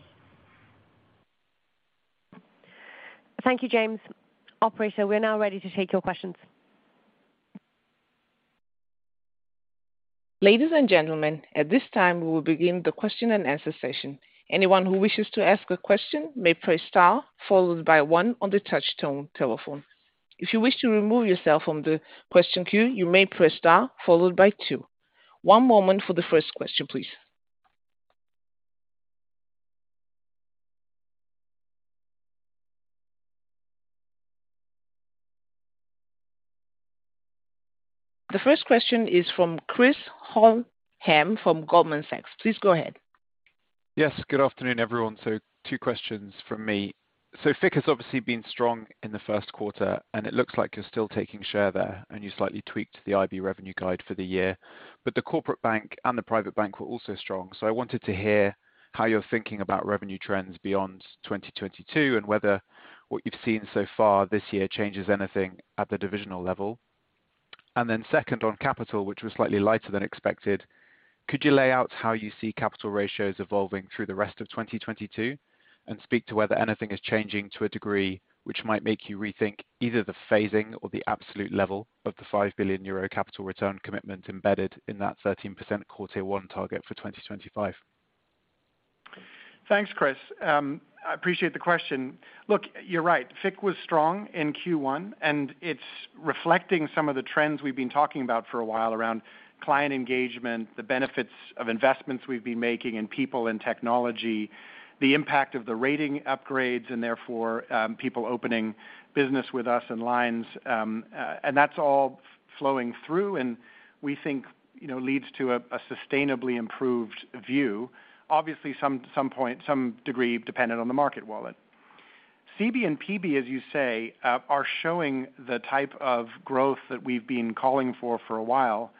Thank you, James. Operator, we're now ready to take your questions. Ladies and gentlemen, at this time, we will begin the question-and-answer session. Anyone who wishes to ask a question may press star followed by one on the touch tone telephone. If you wish to remove yourself from the question queue, you may press star followed by two. One moment for the first question, please. The first question is from Chris Hallam from Goldman Sachs. Please go ahead. Yes, good afternoon, everyone. Two questions from me. FICC has obviously been strong in the Q1, and it looks like you're still taking share there, and you slightly tweaked the IB revenue guide for the year. The Corporate Bank and the Private Bank were also strong. I wanted to hear how you're thinking about revenue trends beyond 2022, and whether what you've seen so far this year changes anything at the divisional level. Second on capital, which was slightly lighter than expected, could you lay out how you see capital ratios evolving through the rest of 2022 and speak to whether anything is changing to a degree which might make you rethink either the phasing or the absolute level of the 5 billion euro capital return commitment embedded in that 13% quarter one target for 2025? Thanks, Chris. I appreciate the question. Look, you're right. FICC was strong in Q1, and it's reflecting some of the trends we've been talking about for a while around client engagement, the benefits of investments we've been making in people and technology, the impact of the rating upgrades, and therefore, people opening business with us and lines. And that's all flowing through and we think, you know, leads to a sustainably improved view. Obviously some degree dependent on the market wallet. CB and PB, as you say, are showing the type of growth that we've been calling for a while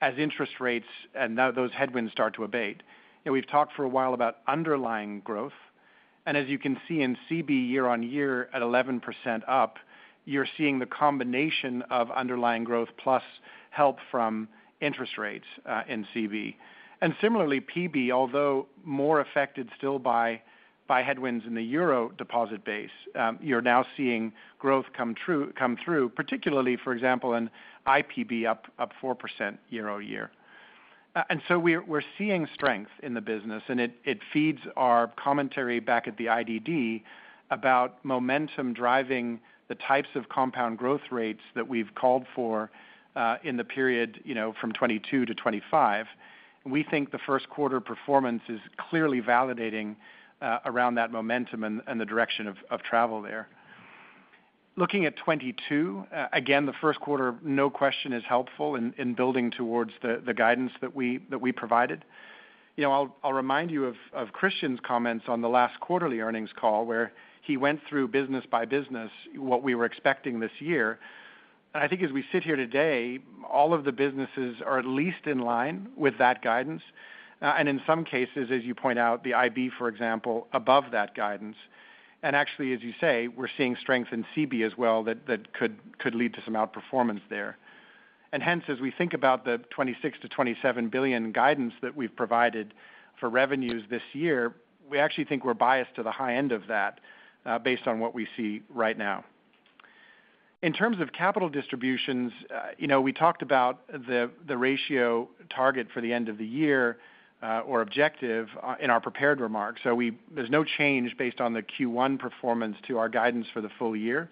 as interest rates and now those headwinds start to abate. You know, we've talked for a while about underlying growth, and as you can see in CB year-over-year at 11% up, you're seeing the combination of underlying growth plus help from interest rates in CB. Similarly, PB, although more affected still by headwinds in the euro deposit base, you're now seeing growth come through, particularly, for example, in IPB up 4% year-over-year. We're seeing strength in the business, and it feeds our commentary back at the IDD about momentum driving the types of compound growth rates that we've called for in the period, you know, from 2022 to 2025. We think the Q1 performance is clearly validating around that momentum and the direction of travel there. Looking at 2022, again, the Q1, no question is helpful in building towards the guidance that we provided. You know, I'll remind you of Christian's comments on the last quarterly earnings call where he went through business by business what we were expecting this year. I think as we sit here today, all of the businesses are at least in line with that guidance. In some cases, as you point out, the IB, for example, above that guidance. Actually, as you say, we're seeing strength in CB as well that could lead to some outperformance there. Hence, as we think about the 26 to 27 billion guidance that we've provided for revenues this year, we actually think we're biased to the high end of that, based on what we see right now. In terms of capital distributions, we talked about the ratio target for the end of the year or objective in our prepared remarks. There's no change based on the Q1 performance to our guidance for the full year.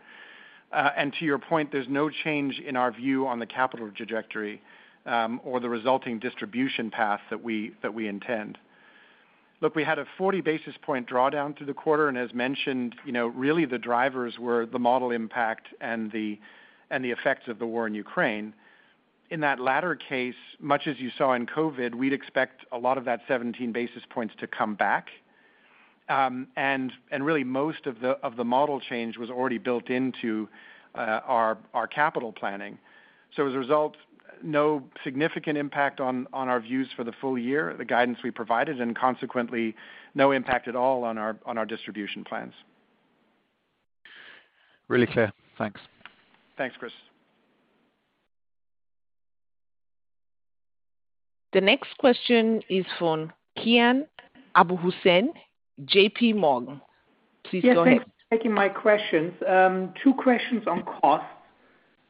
And to your point, there's no change in our view on the capital trajectory or the resulting distribution path that we intend. Look, we had a 40 basis points drawdown through the quarter, and as mentioned, really the drivers were the model impact and the effects of the war in Ukraine. In that latter case, much as you saw in COVID, we'd expect a lot of that 17 basis points to come back. And really most of the model change was already built into our capital planning. As a result, no significant impact on our views for the full year, the guidance we provided, and consequently no impact at all on our distribution plans. Really clear. Thanks. Thanks, Chris. The next question is from Kian Abouhossein, JP Morgan. Please go ahead. Yes, thanks for taking my questions. Two questions on costs.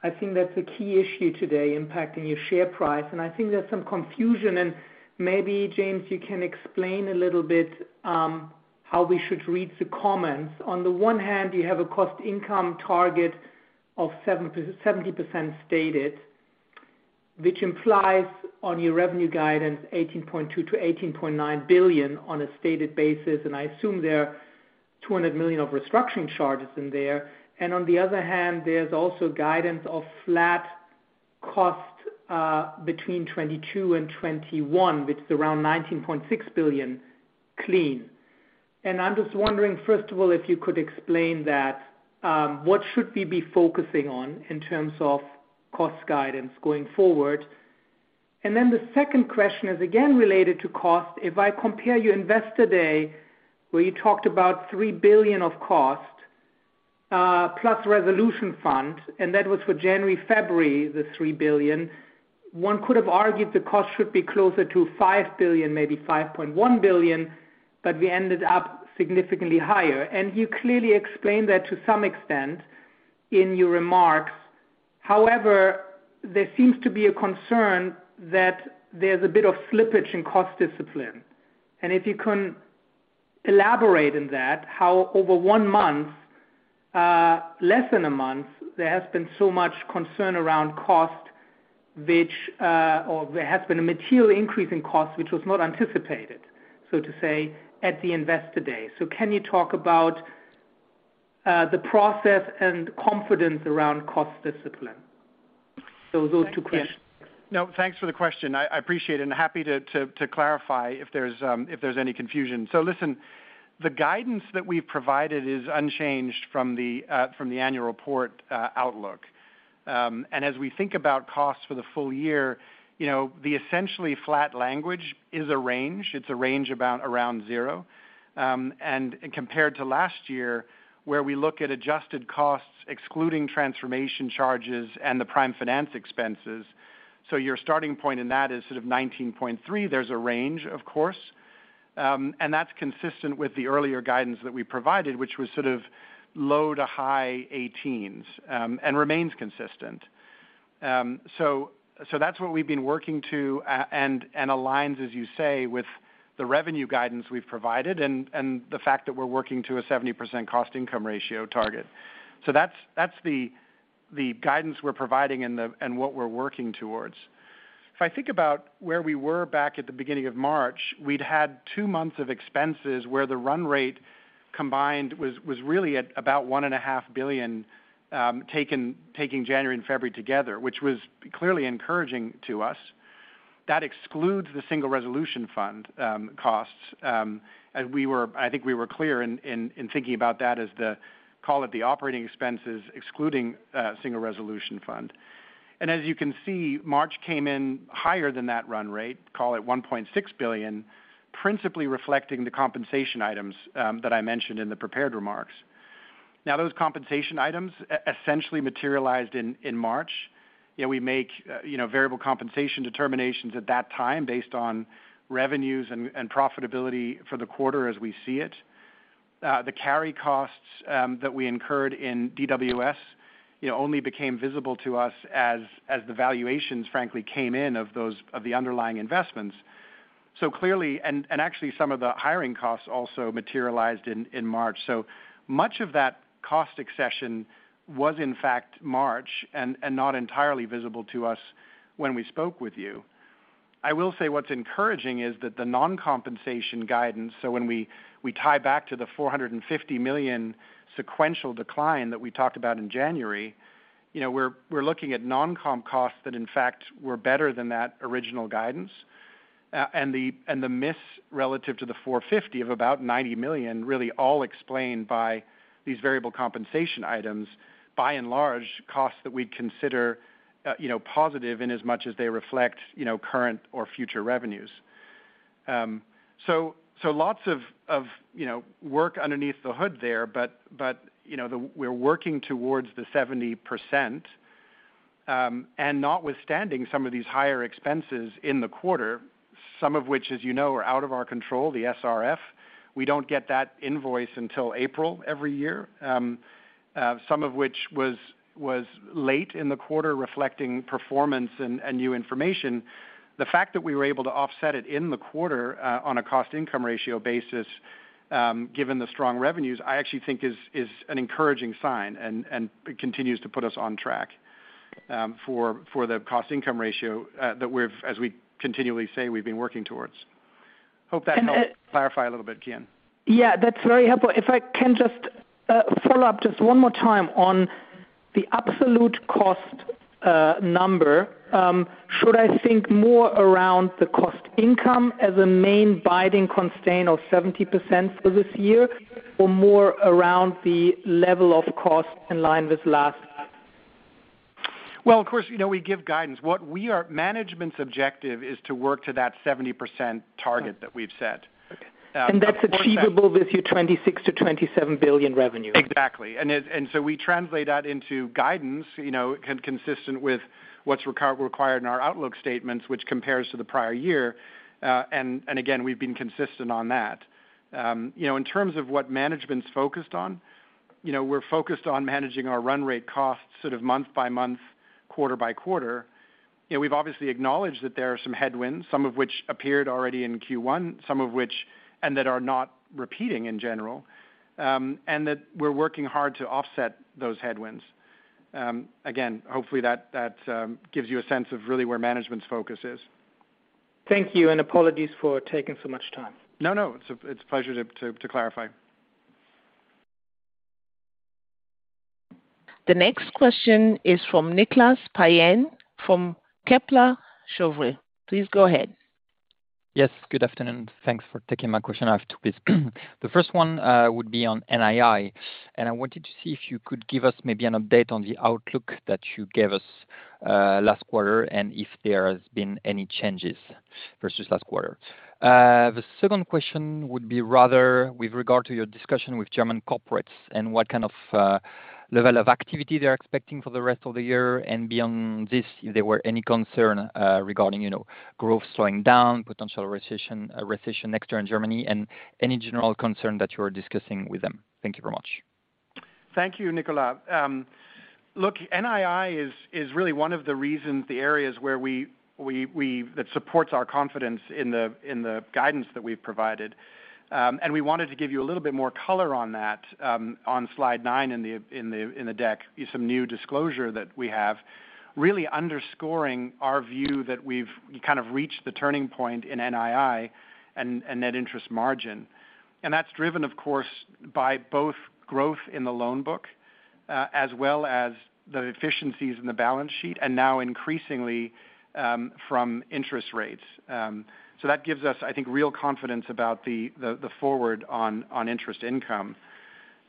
I think that's a key issue today impacting your share price, and I think there's some confusion. Maybe James, you can explain a little bit, how we should read the comments. On the one hand, you have a cost income target of 70% stated, which implies on your revenue guidance, 18.2 to 18.9 billion on a stated basis, and I assume there are 200 million of restructuring charges in there. On the other hand, there's also guidance of flat costs, between 2022 and 2021, which is around 19.6 billion clean. I'm just wondering, first of all, if you could explain that what should we be focusing on in terms of cost guidance going forward? The second question is again related to cost. If I compare your Investor Day, where you talked about 3 billion of cost, plus resolution fund, and that was for January, February, the 3 billion, one could have argued the cost should be closer to 5 billion, maybe 5.1 billion, but we ended up significantly higher. You clearly explained that to some extent in your remarks. However, there seems to be a concern that there's a bit of slippage in cost discipline. If you can elaborate in that, how over one month, less than a month, there has been so much concern around cost, which or there has been a material increase in cost, which was not anticipated, so to say, at the Investor Day. Can you talk about the process and confidence around cost discipline? Those two questions. No, thanks for the question. I appreciate it, and happy to clarify if there's any confusion. Listen, the guidance that we've provided is unchanged from the annual report outlook. As we think about costs for the full year, you know, the essentially flat language is a range. It's a range about around zero, and compared to last year, where we look at adjusted costs excluding transformation charges and the Prime Finance expenses. Your starting point in that is sort of 19.3. There's a range, of course, and that's consistent with the earlier guidance that we provided, which was sort of low- to high-18s, and remains consistent. That's what we've been working to and aligns, as you say, with the revenue guidance we've provided and the fact that we're working to a 70% cost-income ratio target. That's the guidance we're providing and what we're working towards. If I think about where we were back at the beginning of March, we'd had two months of expenses where the run rate combined was really at about 1.5 billion, taking January and February together, which was clearly encouraging to us. That excludes the Single Resolution Fund costs, and I think we were clear in thinking about that as the operating expenses excluding Single Resolution Fund. As you can see, March came in higher than that run rate, call it 1.6 billion, principally reflecting the compensation items that I mentioned in the prepared remarks. Now, those compensation items essentially materialized in March. You know, we make variable compensation determinations at that time based on revenues and profitability for the quarter as we see it. The carry costs that we incurred in DWS, you know, only became visible to us as the valuations frankly came in of those of the underlying investments. Clearly, actually some of the hiring costs also materialized in March. Much of that cost acceleration was in fact March and not entirely visible to us when we spoke with you. I will say what's encouraging is that the non-compensation guidance, so when we tie back to the 450 million sequential decline that we talked about in January, you know, we're looking at non-comp costs that in fact were better than that original guidance. And the miss relative to the 450 of about 90 million really all explained by these variable compensation items, by and large, costs that we'd consider, you know, positive in as much as they reflect, you know, current or future revenues. So, lots of, you know, work underneath the hood there, but, you know, we're working towards the 70%, and notwithstanding some of these higher expenses in the quarter, some of which, as you know, are out of our control, the SRF. We don't get that invoice until April every year. Some of which was late in the quarter reflecting performance and new information. The fact that we were able to offset it in the quarter on a cost income ratio basis, given the strong revenues, I actually think is an encouraging sign and it continues to put us on track for the cost income ratio that we've, as we continually say, we've been working towards. Hope that helps clarify a little bit, Kian. Yeah, that's very helpful. If I can just follow up just one more time on the absolute cost number. Should I think more around the cost income as a main binding constraint of 70% for this year or more around the level of cost in line with last year? Well, of course, you know, we give guidance. Management's objective is to work to that 70% target that we've set. Okay. That's achievable with your 26 to 27 billion revenue. Exactly. We translate that into guidance, you know, consistent with what's required in our outlook statements, which compares to the prior year. Again, we've been consistent on that. You know, in terms of what management's focused on, you know, we're focused on managing our run rate costs sort of month by month, quarter by quarter. You know, we've obviously acknowledged that there are some headwinds, some of which appeared already in Q1, some of which and that are not repeating in general, and that we're working hard to offset those headwinds. Again, hopefully that gives you a sense of really where management's focus is. Thank you, and apologies for taking so much time. No, no. It's a pleasure to clarify. The next question is from Nicolas Payen from Kepler Cheuvreux. Please go ahead. Yes, good afternoon. Thanks for taking my question. I have two, please. The first one would be on NII, and I wanted to see if you could give us maybe an update on the outlook that you gave us last quarter, and if there has been any changes versus last quarter. The second question would be rather with regard to your discussion with German corporates and what kind of level of activity they're expecting for the rest of the year, and beyond this, if there were any concern regarding you know growth slowing down, potential recession next year in Germany, and any general concern that you are discussing with them. Thank you very much. Thank you, Nicolas. Look, NII is really one of the reasons, the areas where that supports our confidence in the guidance that we've provided. We wanted to give you a little bit more color on that, on slide 9 in the deck, give some new disclosure that we have, really underscoring our view that we've kind of reached the turning point in NII and net interest margin. That's driven, of course, by both growth in the loan book, as well as the efficiencies in the balance sheet, and now increasingly, from interest rates. That gives us, I think, real confidence about the forward on interest income.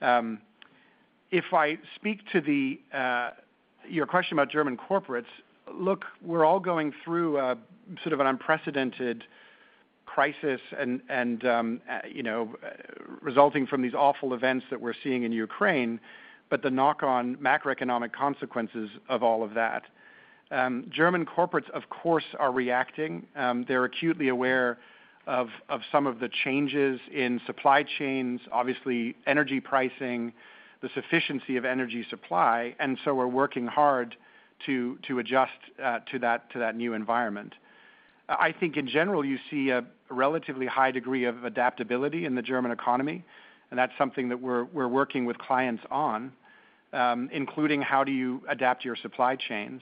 If I speak to your question about German corporates, look, we're all going through a sort of an unprecedented crisis and you know, resulting from these awful events that we're seeing in Ukraine, but the knock-on macroeconomic consequences of all of that. German corporates, of course, are reacting. They're acutely aware of some of the changes in supply chains, obviously energy pricing, the sufficiency of energy supply, and so are working hard to adjust to that new environment. I think in general, you see a relatively high degree of adaptability in the German economy, and that's something that we're working with clients on, including how do you adapt your supply chains.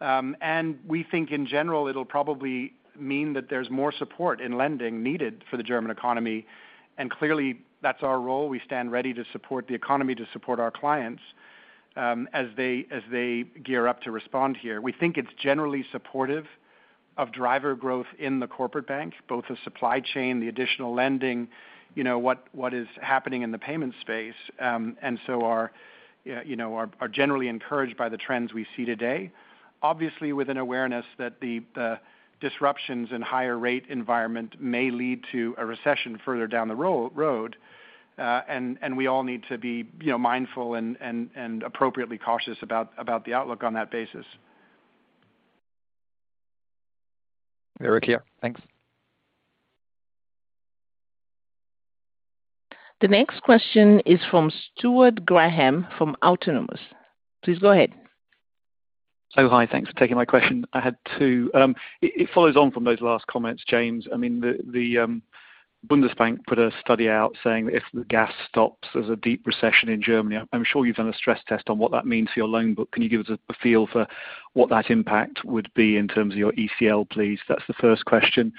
We think in general it'll probably mean that there's more support in lending needed for the German economy, and clearly that's our role. We stand ready to support the economy, to support our clients, as they gear up to respond here. We think it's generally supportive of revenue growth in the Corporate Bank, both the supply chain, the additional lending, you know, what is happening in the payment space. We are generally encouraged by the trends we see today, obviously with an awareness that the disruptions in higher rate environment may lead to a recession further down the road. We all need to be, you know, mindful and appropriately cautious about the outlook on that basis. Very clear. Thanks. The next question is from Stuart Graham from Autonomous. Please go ahead. Hi. Thanks for taking my question. I had two. It follows on from those last comments, James. I mean, the Bundesbank put a study out saying that if the gas stops, there's a deep recession in Germany. I'm sure you've done a stress test on what that means for your loan book. Can you give us a feel for what that impact would be in terms of your ECL, please? That's the first question.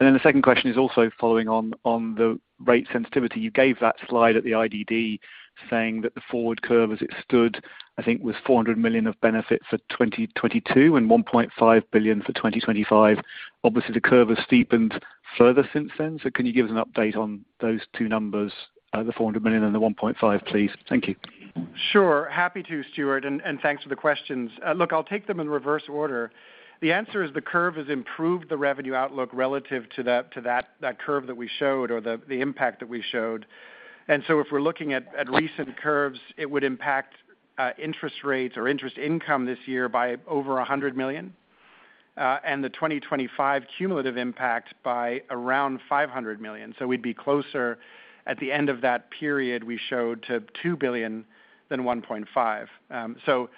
Then the second question is also following on the rate sensitivity. You gave that slide at the IDD saying that the forward curve as it stood, I think, was 400 million of benefit for 2022 and 1.5 billion for 2025. Obviously, the curve has steepened further since then. Can you give us an update on those two numbers, the 400 million and the 1.5, please? Thank you. Sure. Happy to, Stuart. Thanks for the questions. Look, I'll take them in reverse order. The answer is the curve has improved the revenue outlook relative to that curve that we showed or the impact that we showed. If we're looking at recent curves, it would impact interest income this year by over 100 million, and the 2025 cumulative impact by around 500 million. We'd be closer at the end of that period we showed to 2 billion than 1.5 billion.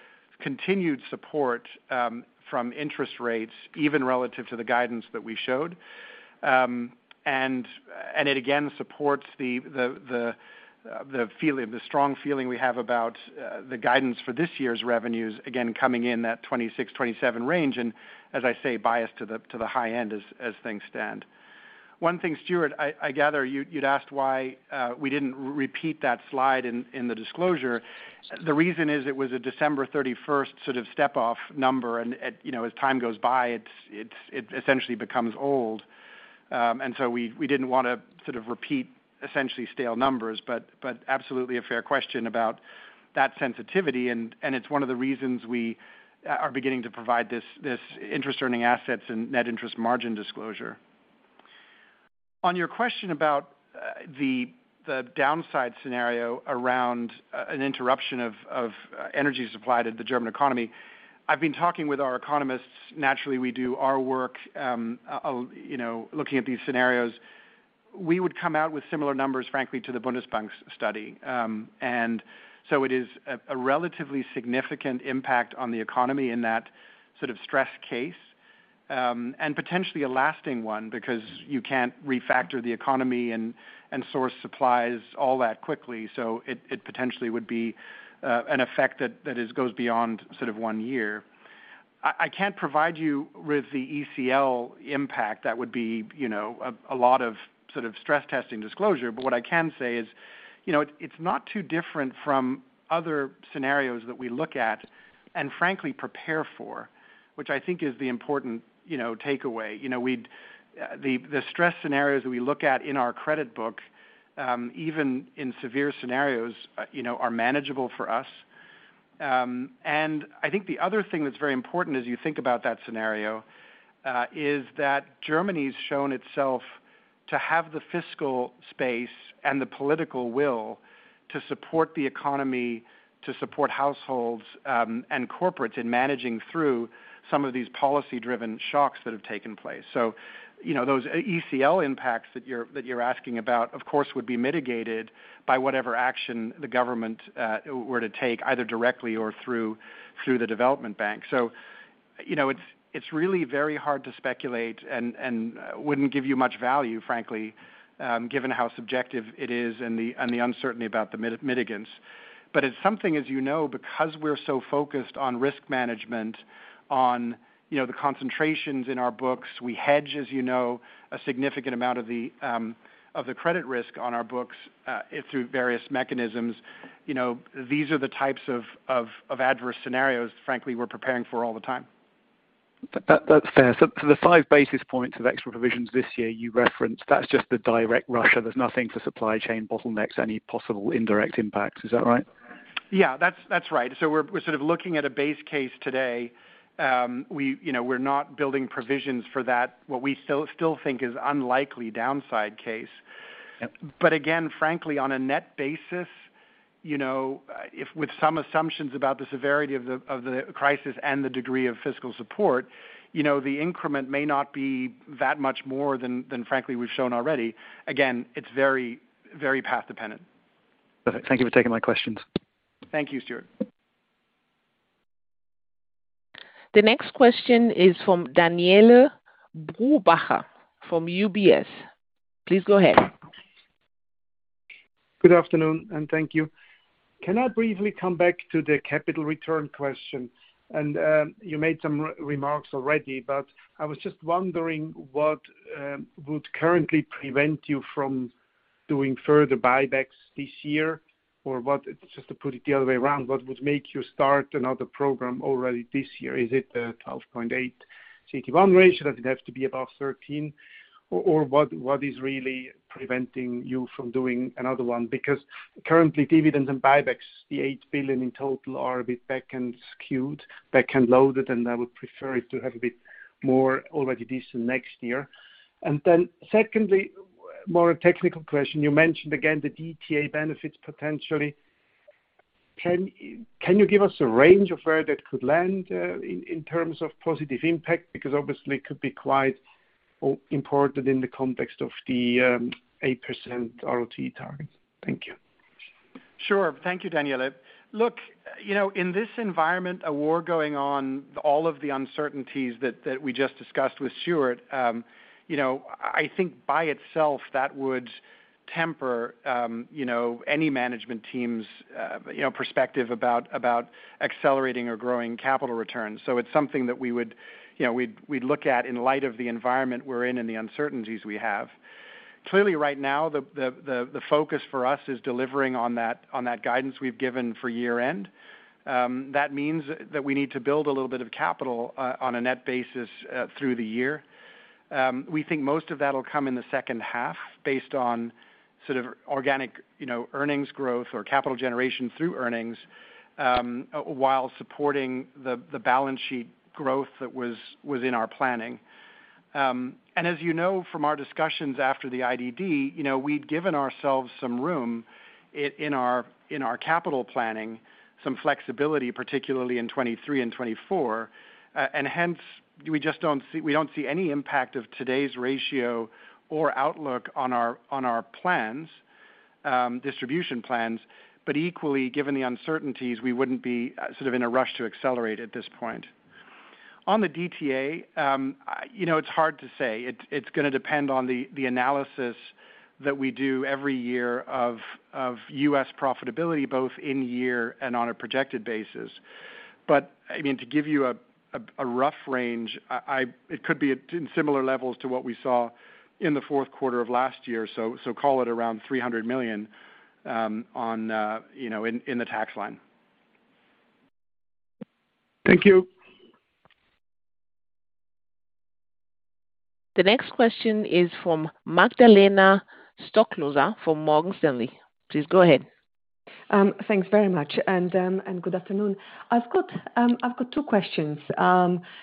Continued support from interest rates even relative to the guidance that we showed. It again supports the strong feeling we have about the guidance for this year's revenues, again coming in that 26 to 27 range, and as I say, biased to the high end as things stand. One thing, Stuart, I gather you'd asked why we didn't repeat that slide in the disclosure. The reason is it was a December 31 cut-off number and, you know, as time goes by, it essentially becomes old. We didn't want to sort of repeat essentially stale numbers, but absolutely a fair question about that sensitivity, and it's one of the reasons we are beginning to provide this interest-earning assets and net interest margin disclosure. On your question about the downside scenario around an interruption of energy supply to the German economy. I've been talking with our economists. Naturally, we do our work, you know, looking at these scenarios. We would come out with similar numbers, frankly, to the Bundesbank's study. It is a relatively significant impact on the economy in that sort of stress case, and potentially a lasting one because you can't refactor the economy and source supplies all that quickly. It potentially would be an effect that goes beyond sort of one year. I can't provide you with the ECL impact. That would be, you know, a lot of sort of stress testing disclosure. what I can say is, you know, it's not too different from other scenarios that we look at and frankly prepare for, which I think is the important, you know, takeaway. You know, the stress scenarios we look at in our credit book, even in severe scenarios, you know, are manageable for us. I think the other thing that's very important as you think about that scenario is that Germany's shown itself to have the fiscal space and the political will to support the economy, to support households, and corporates in managing through some of these policy-driven shocks that have taken place. you know, those ECL impacts that you're asking about, of course, would be mitigated by whatever action the government were to take, either directly or through the development bank. You know, it's really very hard to speculate and wouldn't give you much value, frankly, given how subjective it is and the uncertainty about the mitigants. It's something, as you know, because we're so focused on risk management on, you know, the concentrations in our books. We hedge, as you know, a significant amount of the credit risk on our books through various mechanisms. You know, these are the types of adverse scenarios, frankly, we're preparing for all the time. That's fair. The 5 basis points of extra provisions this year you referenced, that's just the direct Russia. There's nothing for supply chain bottlenecks, any possible indirect impacts. Is that right? Yeah. That's right. We're sort of looking at a base case today. You know, we're not building provisions for that, what we still think is unlikely downside case. Yep. Again, frankly, on a net basis, you know, if with some assumptions about the severity of the crisis and the degree of fiscal support, you know, the increment may not be that much more than frankly we've shown already. It's very, very path dependent. Perfect. Thank you for taking my questions. Thank you, Stuart. The next question is from Daniele Brupbacher from UBS. Please go ahead. Good afternoon, thank you. Can I briefly come back to the capital return question? You made some remarks already, but I was just wondering what would currently prevent you from doing further buybacks this year? Or what? Just to put it the other way around, what would make you start another program already this year? Is it the 12.8 CET1 ratio? Does it have to be above 13? Or what is really preventing you from doing another one? Because currently dividends and buybacks, the 8 billion in total are a bit back-end skewed, back-end loaded, and I would prefer it to have a bit more already this and next year. Secondly, more a technical question. You mentioned again the DTA benefits potentially. Can you give us a range of where that could land, in terms of positive impact? Because obviously it could be quite important in the context of the 8% ROT target. Thank you. Sure. Thank you, Daniele. Look, you know, in this environment, a war going on, all of the uncertainties that we just discussed with Stuart, you know, I think by itself that would temper, you know, any management teams, you know, perspective about accelerating or growing capital returns. It's something that we would, you know, we'd look at in light of the environment we're in and the uncertainties we have. Clearly right now the focus for us is delivering on that guidance we've given for year-end. That means that we need to build a little bit of capital on a net basis through the year. We think most of that'll come in the H2 based on sort of organic, you know, earnings growth or capital generation through earnings, while supporting the balance sheet growth that was in our planning. As you know from our discussions after the IDD, you know, we'd given ourselves some room in our, in our capital planning, some flexibility, particularly in 2023 and 2024. Hence, we just don't see any impact of today's ratio or outlook on our, on our plans, distribution plans. Equally, given the uncertainties, we wouldn't be sort of in a rush to accelerate at this point. On the DTA, you know, it's hard to say. It's gonna depend on the analysis that we do every year of U.S. profitability, both in year and on a projected basis. I mean, to give you a rough range, it could be at similar levels to what we saw in the Q4 of last year. Call it around 300 million, on, you know, in the tax line. Thank you. The next question is from Magdalena Stoklosa from Morgan Stanley. Please go ahead. Thanks very much and good afternoon. I've got two questions.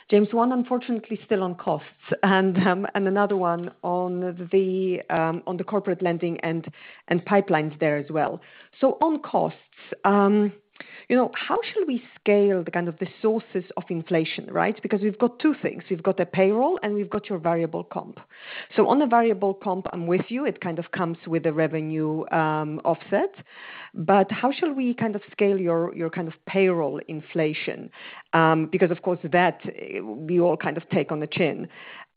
James, one unfortunately still on costs and another one on the corporate lending and pipelines there as well. On costs, you know, how should we scale the kind of the sources of inflation, right? Because we've got two things. We've got a payroll, and we've got your variable comp. On the variable comp, I'm with you. It kind of comes with the revenue offset. How should we kind of scale your kind of payroll inflation? Because of course that we all kind of take on the chin.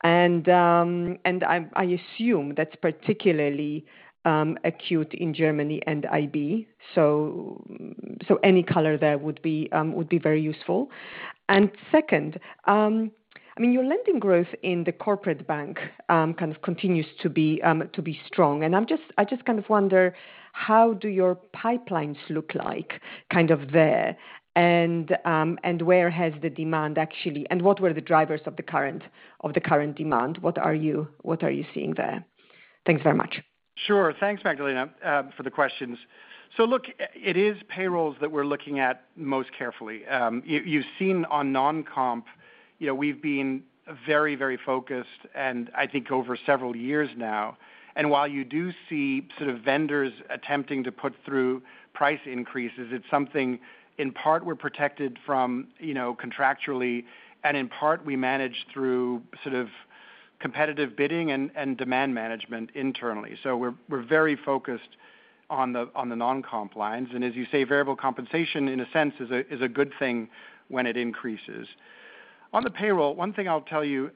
I assume that's particularly acute in Germany and IB. Any color there would be very useful. Second, I mean, your lending growth in the Corporate Bank kind of continues to be strong. I'm just kind of wondering how do your pipelines look like kind of there? Where has the demand actually? What were the drivers of the current demand? What are you seeing there? Thanks very much. Sure. Thanks, Magdalena, for the questions. Look, it is payrolls that we're looking at most carefully. You've seen on non-comp, you know, we've been very, very focused and I think over several years now, and while you do see sort of vendors attempting to put through price increases, it's something in part we're protected from, you know, contractually, and in part we manage through sort of competitive bidding and demand management internally. We're very focused on the non-comp lines. As you say, variable compensation in a sense is a good thing when it increases. On the payroll, one thing I'll tell you,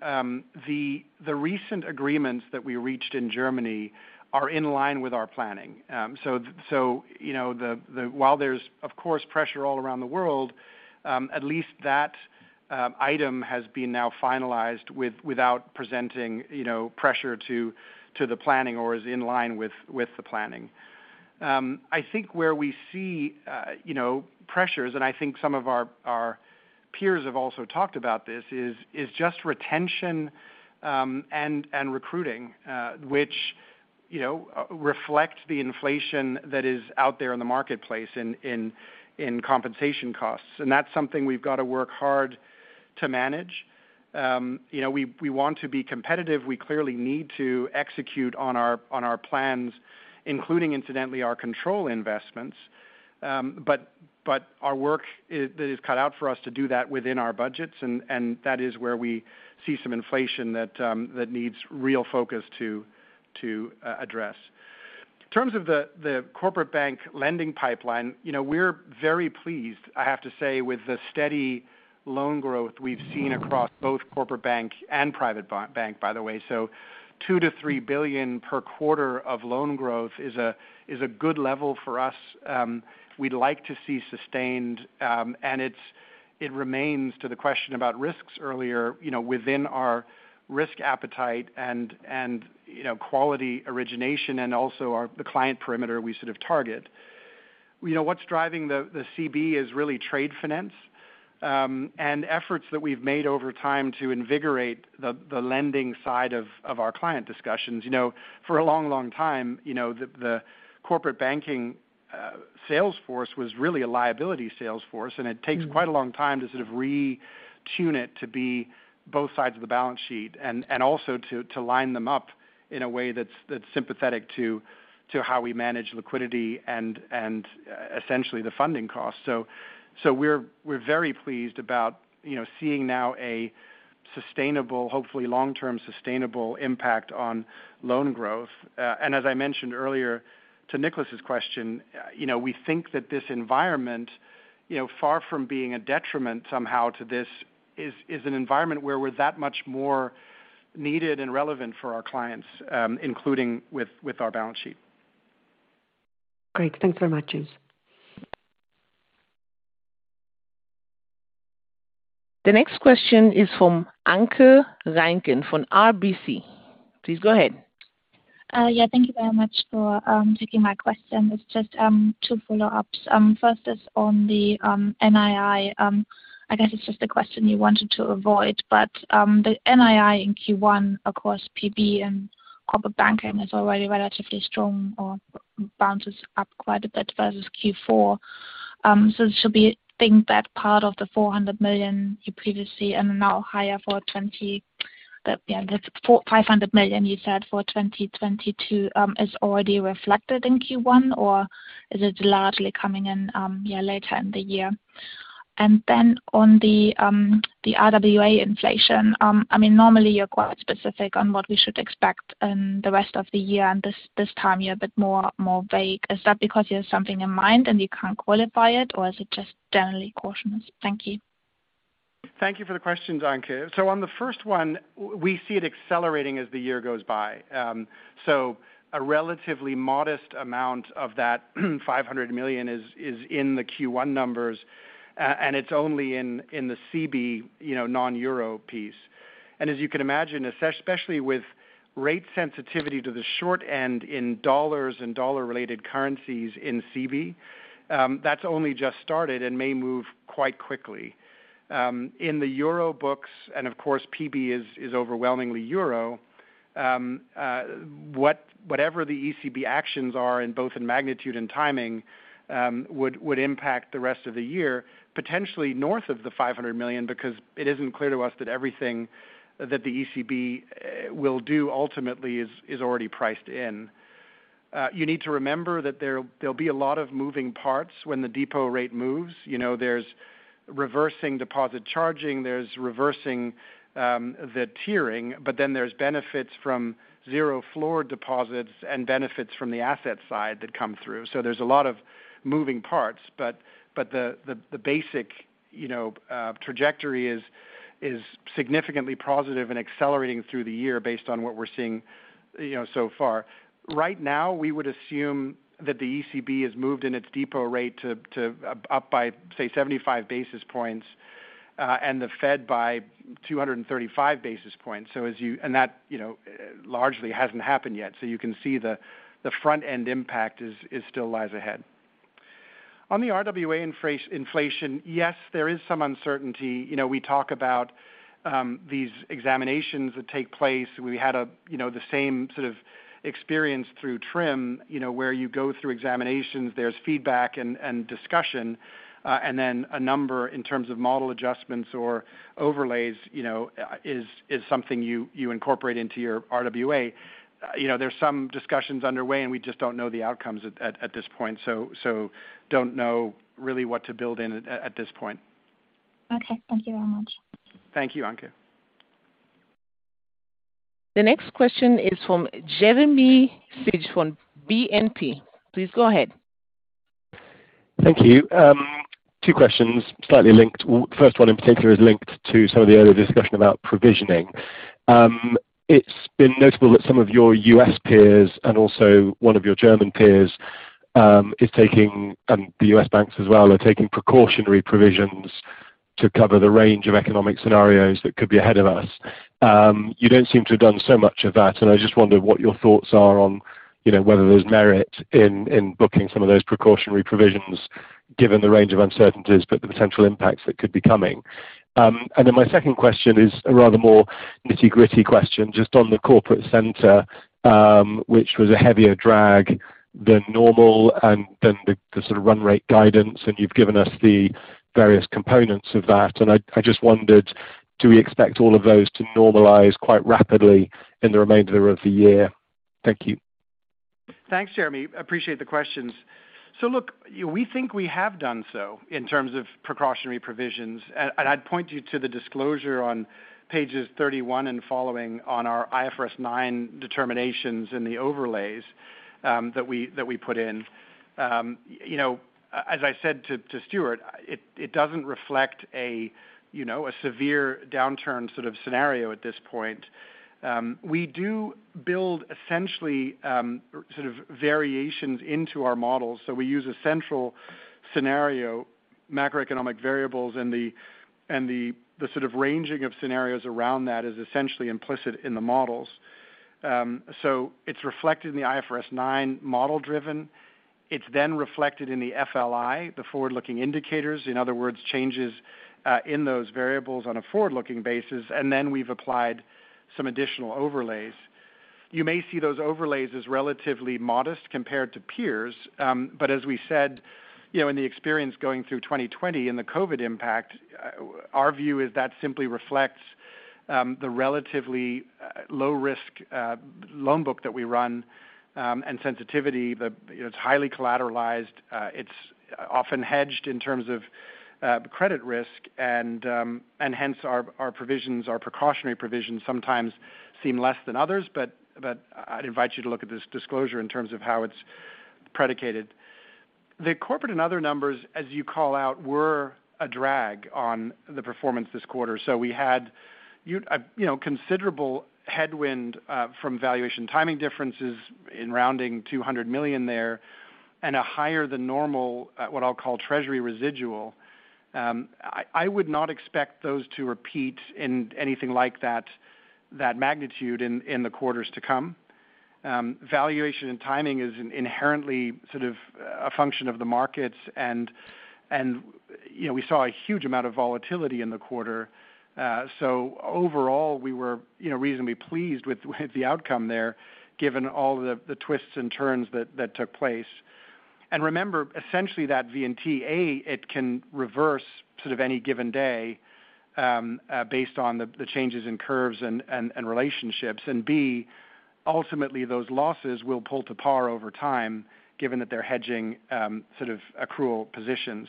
the recent agreements that we reached in Germany are in line with our planning. You know, though while there's of course pressure all around the world, at least that item has been now finalized without presenting you know, pressure to the planning or is in line with the planning. I think where we see you know, pressures, and I think some of our peers have also talked about this, is just retention and recruiting, which you know, reflect the inflation that is out there in the marketplace in compensation costs. That's something we've got to work hard to manage. You know, we want to be competitive. We clearly need to execute on our plans, including incidentally, our control investments. Our work is cut out for us to do that within our budgets and that is where we see some inflation that needs real focus to address. In terms of the Corporate Bank lending pipeline, you know, we're very pleased, I have to say, with the steady loan growth we've seen across both Corporate Bank and Private Bank, by the way. 2 to 3 billion per quarter of loan growth is a good level for us. We'd like to see sustained and it remains to the question about risks earlier, you know, within our risk appetite and quality origination and also the client perimeter we sort of target. You know, what's driving the CB is really trade finance and efforts that we've made over time to invigorate the lending side of our client discussions. You know, for a long time, you know, the corporate banking sales force was really a liability sales force, and it takes quite a long time to sort of retune it to be both sides of the balance sheet and also to line them up in a way that's sympathetic to how we manage liquidity and essentially the funding costs. So, we're very pleased about, you know, seeing now a sustainable, hopefully long-term sustainable impact on loan growth. As I mentioned earlier to Nicolas's question, you know, we think that this environment, you know, far from being a detriment somehow to this is an environment where we're that much more needed and relevant for our clients, including with our balance sheet. Great. Thanks very much, James. The next question is from Anke Reingen from RBC. Please go ahead. Thank you very much for taking my question. It's just two follow-ups. First is on the NII. I guess it's just a question you wanted to avoid, but the NII in Q1 across PB and corporate banking is already relatively strong or bounces up quite a bit versus Q4. So, should we think that part of the 400 million you previously and now higher for 2022, the 500 million you said for 2022, is already reflected in Q1, or is it largely coming in later in the year? Then on the RWA inflation, I mean, normally you're quite specific on what we should expect in the rest of the year, and this time you're a bit more vague. Is that because you have something in mind and you can't qualify it, or is it just generally cautious? Thank you. Thank you for the questions, Anke. On the first one, we see it accelerating as the year goes by. A relatively modest amount of that 500 million is in the Q1 numbers. It's only in the CB, you know, non-euro piece. As you can imagine, especially with rate sensitivity to the short end in dollars and dollar-related currencies in CB, that's only just started and may move quite quickly. In the euro books, and of course, PB is overwhelmingly euro. Whatever the ECB actions are in both magnitude and timing would impact the rest of the year, potentially north of the 500 million, because it isn't clear to us that everything that the ECB will do ultimately is already priced in. You need to remember that there'll be a lot of moving parts when the deposit rate moves. You know, there's reversing deposit charging, there's reversing the tiering, but then there's benefits from zero floor deposits and benefits from the asset side that come through. There's a lot of moving parts. The basic, you know, trajectory is significantly positive and accelerating through the year based on what we're seeing, you know, so far. Right now, we would assume that the ECB has moved in its deposit rate to up by, say, 75 basis points, and the Fed by 235 basis points. That, you know, largely hasn't happened yet. You can see the front-end impact is still lies ahead. On the RWA inflation, yes, there is some uncertainty. You know, we talk about these examinations that take place. We had, you know, the same sort of experience through TRIM, you know, where you go through examinations, there's feedback and discussion, and then a number in terms of model adjustments or overlays, you know, is something you incorporate into your RWA. You know, there's some discussions underway, and we just don't know the outcomes at this point, so don't know really what to build in at this point. Okay. Thank you very much. Thank you, Anke. The next question is from Jeremy Sigee from BNP. Please go ahead. Thank you. Two questions slightly linked. First one in particular is linked to some of the earlier discussion about provisioning. It's been notable that some of your US peers and also one of your German peers is taking, and the US banks as well, are taking precautionary provisions to cover the range of economic scenarios that could be ahead of us. You don't seem to have done so much of that, and I just wondered what your thoughts are on, you know, whether there's merit in booking some of those precautionary provisions, given the range of uncertainties, but the potential impacts that could be coming. My second question is a rather more nitty-gritty question, just on the corporate center, which was a heavier drag than normal and then the sort of run rate guidance, and you've given us the various components of that. I just wondered, do we expect all of those to normalize quite rapidly in the remainder of the year? Thank you. Thanks, Jeremy. Appreciate the questions. Look, we think we have done so in terms of precautionary provisions. And I'd point you to the disclosure on pages 31 and following on our IFRS 9 determinations in the overlays that we put in. You know, as I said to Stuart, it doesn't reflect a you know a severe downturn sort of scenario at this point. We do build essentially sort of variations into our models. We use a central scenario, macroeconomic variables, and the sort of ranging of scenarios around that is essentially implicit in the models. It's reflected in the IFRS 9 model driven. It's then reflected in the FLI, the forward-looking indicators, in other words, changes in those variables on a forward-looking basis. And then we've applied some additional overlays. You may see those overlays as relatively modest compared to peers. As we said, you know, in the experience going through 2020 and the COVID impact, our view is that simply reflects the relatively low risk loan book that we run and sensitivity. It's highly collateralized, it's often hedged in terms of credit risk, and hence our provisions, our precautionary provisions sometimes seem less than others. I'd invite you to look at this disclosure in terms of how it's predicated. The corporate and other numbers, as you call out, were a drag on the performance this quarter. We had considerable headwind from valuation timing differences amounting to 200 million there and a higher than normal, what I'll call treasury residual. I would not expect those to repeat in anything like that magnitude in the quarters to come. Valuation and timing is inherently sort of a function of the markets and, you know, we saw a huge amount of volatility in the quarter. Overall, we were, you know, reasonably pleased with the outcome there, given all the twists and turns that took place. Remember, essentially that V&T. A, it can reverse sort of any given day based on the changes in curves and relationships. B, ultimately, those losses will pull to par over time, given that they're hedging sort of accrual positions.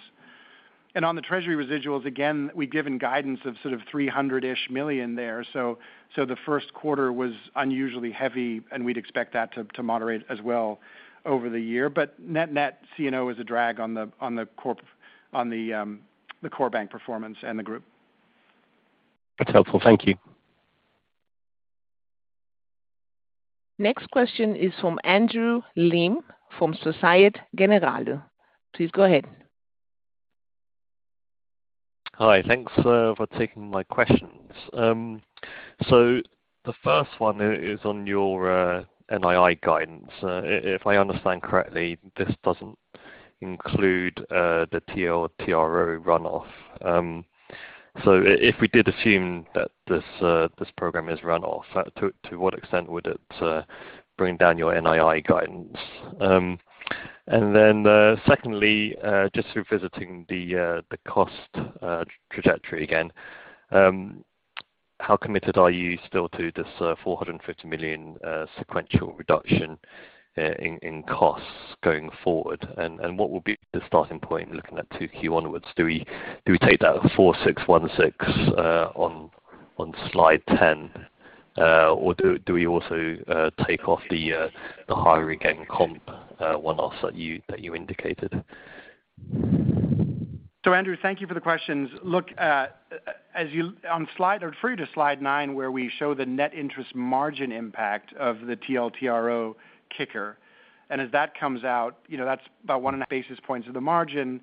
On the treasury residuals, again, we've given guidance of sort of 300-ish million there. The Q1 was unusually heavy, and we'd expect that to moderate as well over the year. Net CNO is a drag on the core bank performance and the group. That's helpful. Thank you. Next question is from Andrew Lim from Société Générale. Please go ahead. Hi. Thanks for taking my questions. The first one is on your NII guidance. If I understand correctly, this doesn't include the TLTRO runoff. If we did assume that this program is runoff, to what extent would it bring down your NII guidance? Secondly, just revisiting the cost trajectory again, how committed are you still to this 450 million sequential reduction in costs going forward? What will be the starting point looking at 2Q onwards? Do we take that 4,616 on slide 10? Or do we also take off the higher again comp one-offs that you indicated? Andrew, thank you for the questions. Look, On slide, I refer you to slide 9 where we show the net interest margin impact of the TLTRO kicker. As that comes out, you know, that's about 1.5 basis points of the margin.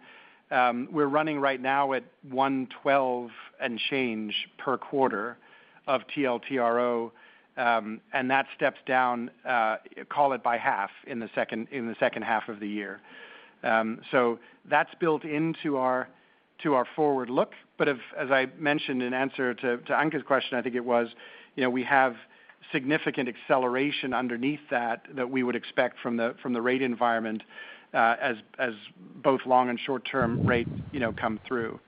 We're running right now at 112 and change per quarter of TLTRO, and that steps down, call it by half in the H2 of the year. That's built into our forward look. As I mentioned in answer to Anke's question, I think it was, you know, we have significant acceleration underneath that we would expect from the rate environment, as both long and short-term rates, you know, come through.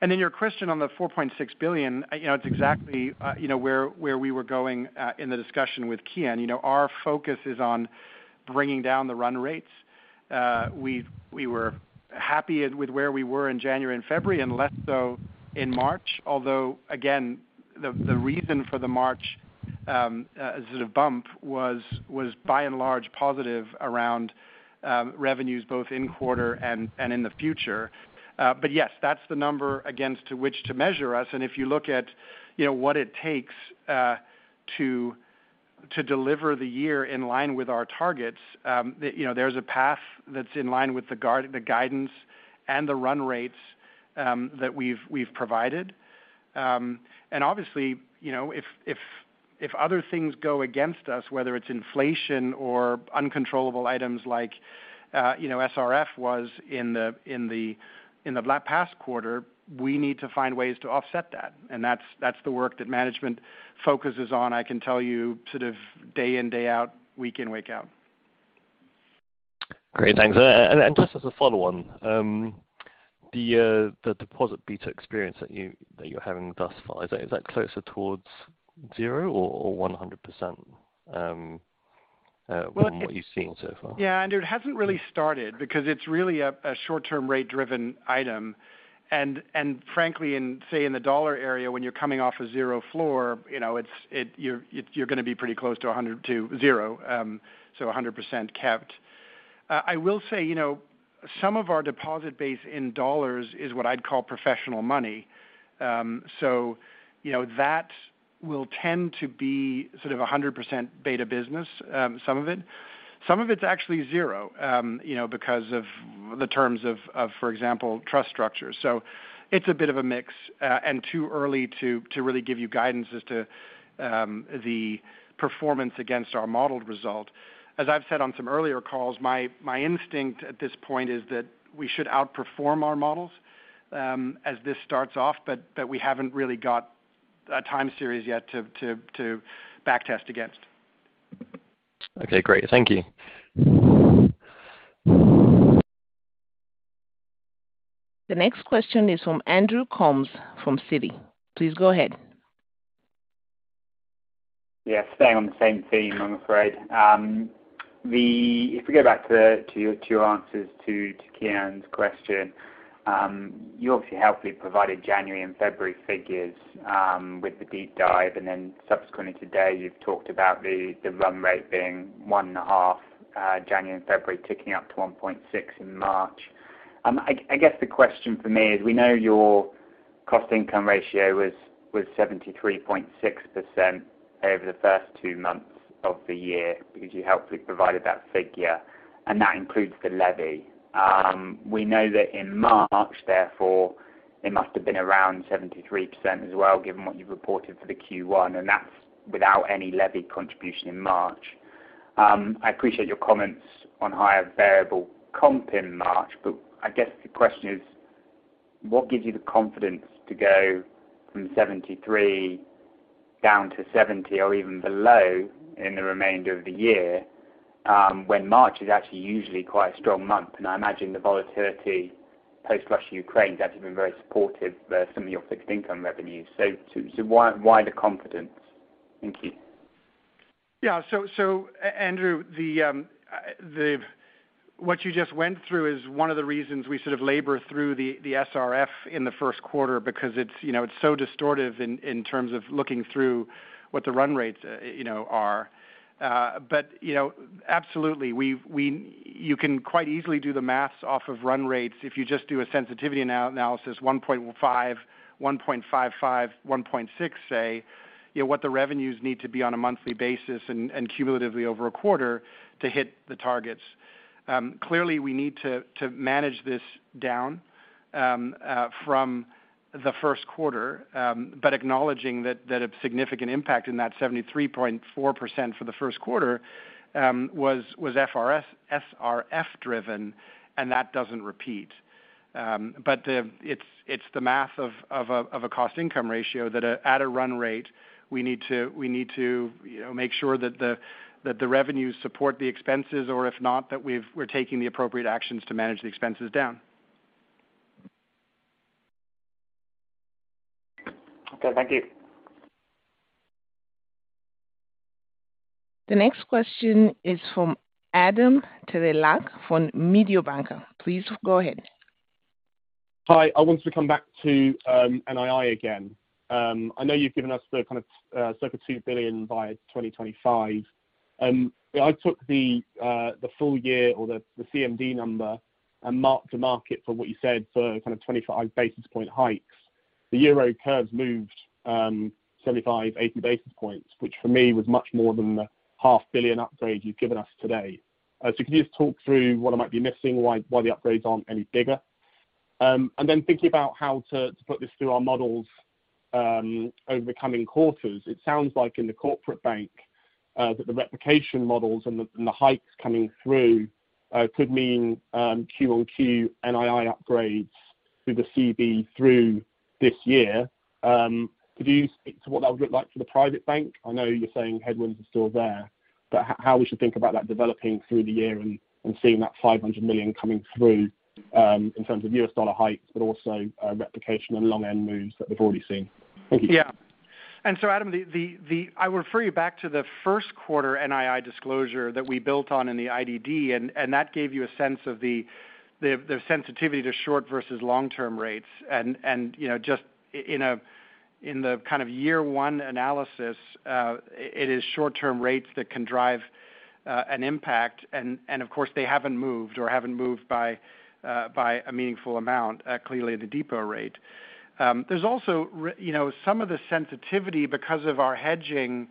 Then your question on the 4.6 billion, you know, it's exactly, you know, where we were going in the discussion with Kian. You know, our focus is on bringing down the run rates. We were happy with where we were in January and February and less so in March. Although again, the reason for the March sort of bump was by and large positive around revenues both in quarter and in the future. But yes, that's the number against which to measure us. If you look at, you know, what it takes to deliver the year in line with our targets, you know, there's a path that's in line with the guidance and the run rates that we've provided. Obviously, you know, if other things go against us, whether it's inflation or uncontrollable items like, you know, SRF was in the past quarter, we need to find ways to offset that. That's the work that management focuses on, I can tell you, sort of day in, day out, week in, week out. Great. Thanks. Just as a follow-on, the deposit beta experience that you're having thus far, is that closer towards zero or 100%? Well From what you've seen so far? Yeah. It hasn't really started because it's really a short-term rate-driven item. Frankly, say, in the dollar area, when you're coming off a 0 floor, you know, it's. You're gonna be pretty close to 100 to 0%, so 100% kept. I will say, you know, some of our deposit base in dollars is what I'd call professional money. So, you know, that will tend to be sort of a 100% beta business, some of it. Some of it's actually 0, you know, because of the terms of, for example, trust structures. It's a bit of a mix, and too early to really give you guidance as to the performance against our modeled result. As I've said on some earlier calls, my instinct at this point is that we should outperform our models, as this starts off, but we haven't really got a time series yet to backtest against. Okay, great. Thank you. The next question is from Andrew Coombs from Citi. Please go ahead. Yeah. Staying on the same theme, I'm afraid. If we go back to your answers to Kian's question, you obviously helpfully provided January and February figures with the deep dive, and then subsequently today, you've talked about the run rate being one half January and February, ticking up to 1.6 in March. I guess the question for me is: We know your cost income ratio was 73.6% over the first two months of the year because you helpfully provided that figure, and that includes the levy. We know that in March, therefore, it must have been around 73% as well, given what you've reported for the Q1, and that's without any levy contribution in March. I appreciate your comments on higher variable comp in March, but I guess the question is: What gives you the confidence to go from 73 down to 70 or even below in the remainder of the year, when March is actually usually quite a strong month? I imagine the volatility post-Russia/Ukraine has actually been very supportive for some of your fixed income revenues. So why the confidence? Thank you. Andrew, what you just went through is one of the reasons we labor through the SRF in the Q1 because it's so distortive in terms of looking through what the run rates are. But absolutely, you can quite easily do the math off of run rates if you just do a sensitivity analysis 1.5%, 1.55%, 1.6%, what the revenues need to be on a monthly basis and cumulatively over a quarter to hit the targets. Clearly, we need to manage this down from the Q1 but acknowledging that a significant impact in that 73.4% for the Q1 was SRF driven, and that doesn't repeat. It's the math of a cost income ratio that at a run rate, we need to, you know, make sure that the revenues support the expenses, or if not, that we're taking the appropriate actions to manage the expenses down. Okay. Thank you. The next question is from Adam Terelak from Mediobanca. Please go ahead. Hi. I wanted to come back to NII again. I know you've given us the kind of circa 2 billion by 2025. I took the full year or the CMD number and marked to market for what you said for kind of 25 basis point hikes. The euro curves moved 75, 80 basis points, which for me was much more than the EUR half billion upgrade you've given us today. Can you just talk through what I might be missing, why the upgrades aren't any bigger? Thinking about how to put this through our models over the coming quarters, it sounds like in the Corporate Bank that the replication models and the hikes coming through could mean Q-on-Q NII upgrades through the CB through this year. Could you speak to what that would look like for the Private Bank? I know you're saying headwinds are still there, but how we should think about that developing through the year and seeing that 500 million coming through, in terms of US dollar hikes, but also re-pricing and long-end moves that we've already seen. Thank you. Yeah. Adam Terelak, I would refer you back to the Q1 NII disclosure that we built on in the IDD, and that gave you a sense of the sensitivity to short versus long-term rates. You know, just in the kind of year one analysis, it is short-term rates that can drive an impact. Of course, they haven't moved by a meaningful amount, clearly the deposit rate. There's also you know, some of the sensitivity because of our hedging,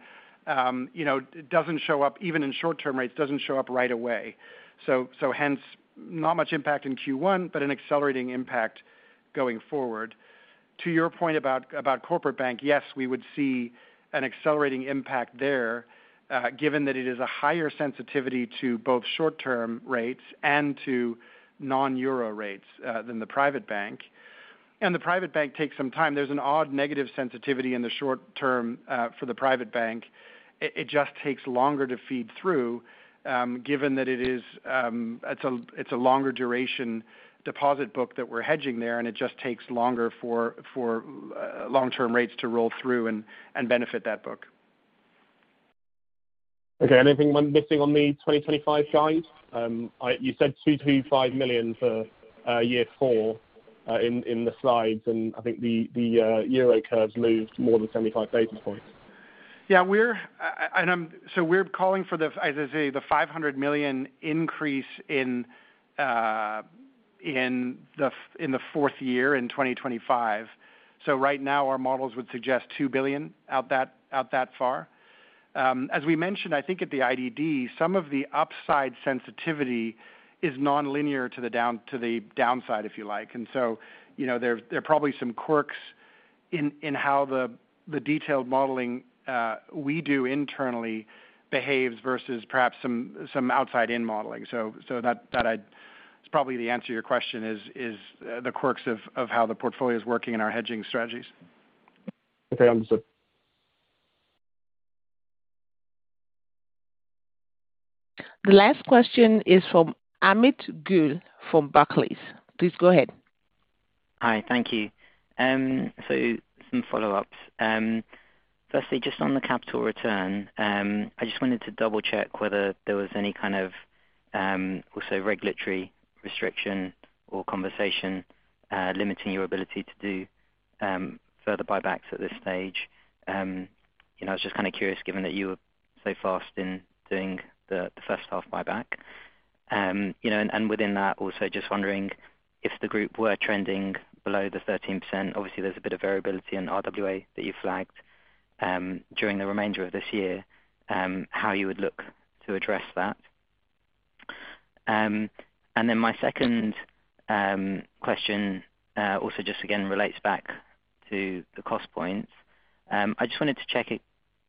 you know, doesn't show up even in short-term rates, doesn't show up right away. Hence not much impact in Q1, but an accelerating impact going forward. To your point about Corporate Bank, yes, we would see an accelerating impact there, given that it is a higher sensitivity to both short-term rates and to non-euro rates than the Private Bank. The Private Bank takes some time. There's an odd negative sensitivity in the short term for the Private Bank. It just takes longer to feed through, given that it is a longer duration deposit book that we're hedging there, and it just takes longer for long-term rates to roll through and benefit that book. Okay. Anything I'm missing on the 2025 guidance? You said 2 to 5 million for year four in the slides, and I think the Euro curves moved more than 75 basis points. We're calling for the, as I say, the 500 million increase in the fourth year in 2025. Right now, our models would suggest 2 billion out that far. As we mentioned, I think at the IDD, some of the upside sensitivity is nonlinear to the downside, if you like. You know, there are probably some quirks in how the detailed modeling we do internally behaves versus perhaps some outside-in modeling. That, it's probably the answer to your question is the quirks of how the portfolio is working in our hedging strategies. Okay. Understood. The last question is from Amit Goel from Barclays. Please go ahead. Hi. Thank you. Some follow-ups. Firstly, just on the capital return, I just wanted to double-check whether there was any kind of also regulatory restriction or conversation limiting your ability to do further buybacks at this stage. You know, I was just kind of curious, given that you were so fast in doing the H1 buyback. You know, and within that, also just wondering if the group were trending below the 13%. Obviously, there's a bit of variability in RWA that you flagged during the remainder of this year, how you would look to address that. Then my second question also just again relates back to the cost points. I just wanted to check it.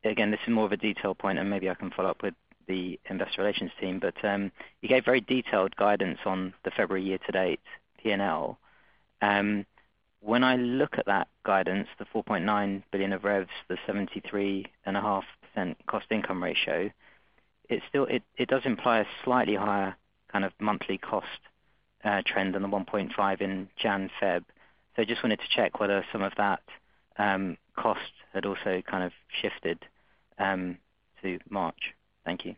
Again, this is more of a detail point, and maybe I can follow up with the investor relations team. You gave very detailed guidance on the February year-to-date P&L. When I look at that guidance, the 4.9 billion of revs, the 73.5% cost income ratio. It still does imply a slightly higher kind of monthly cost trend than the 1.5 in January, February. I just wanted to check whether some of that cost had also kind of shifted to March. Thank you.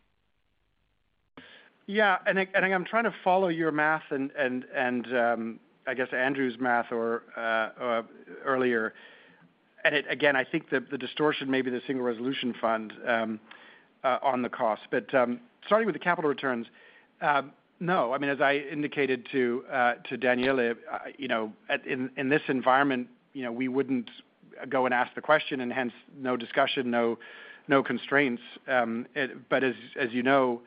Yeah. I'm trying to follow your math, and I guess Andrew's math or earlier. Again, I think the distortion may be the Single Resolution Fund on the cost. Starting with the capital returns, no. I mean, as I indicated to Daniele, you know, in this environment, you know, we wouldn't go and ask the question and hence no discussion, no constraints. As you know,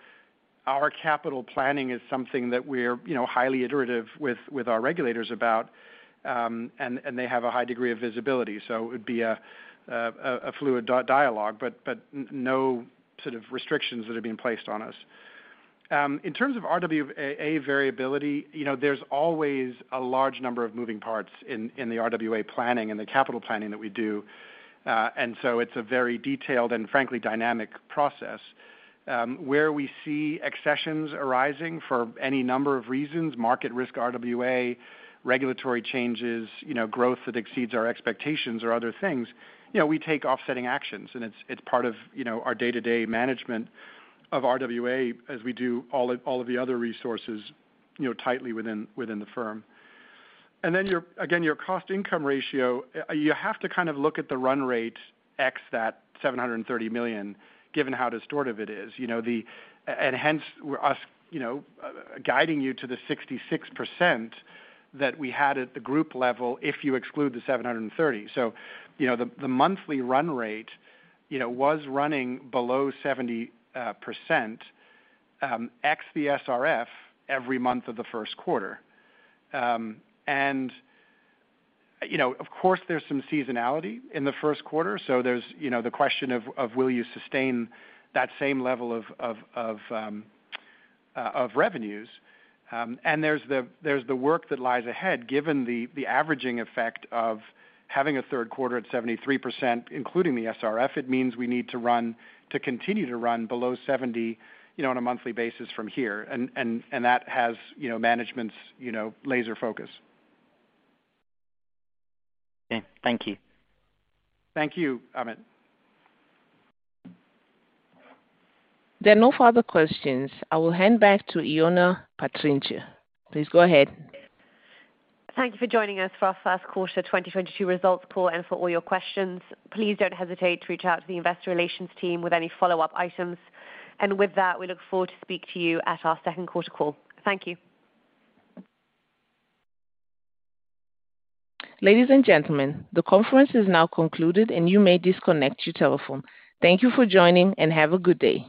our capital planning is something that we're, you know, highly iterative with our regulators about, and they have a high degree of visibility. It would be a fluid dialogue, but no sort of restrictions that are being placed on us. In terms of RWA variability, you know, there's always a large number of moving parts in the RWA planning and the capital planning that we do. It's a very detailed and frankly dynamic process. Where we see exposures arising for any number of reasons, market risk RWA, regulatory changes, you know, growth that exceeds our expectations or other things, you know, we take offsetting actions. It's part of, you know, our day-to-day management of RWA as we do all of the other resources, you know, tightly within the firm. Again, your cost income ratio, you have to kind of look at the run rate ex that 730 million, given how distortive it is. You know, the Hence, we're asking, you know, guiding you to the 66% that we had at the group level if you exclude the 730. The monthly run rate, you know, was running below 70%, ex the SRF every month of the Q1. Of course, there's some seasonality in the Q1, so there's, you know, the question of will you sustain that same level of revenues. There's the work that lies ahead given the averaging effect of having a Q3 at 73%, including the SRF. It means we need to run, to continue to run below 70%, you know, on a monthly basis from here. That has management's laser focus. Okay. Thank you. Thank you, Amit. There are no further questions. I will hand back to Ioana Patriniche. Please go ahead. Thank you for joining us for our Q1 2022 results call and for all your questions. Please don't hesitate to reach out to the investor relations team with any follow-up items. With that, we look forward to speak to you at our Q2 call. Thank you. Ladies and gentlemen, the conference is now concluded, and you may disconnect your telephone. Thank you for joining and have a good day.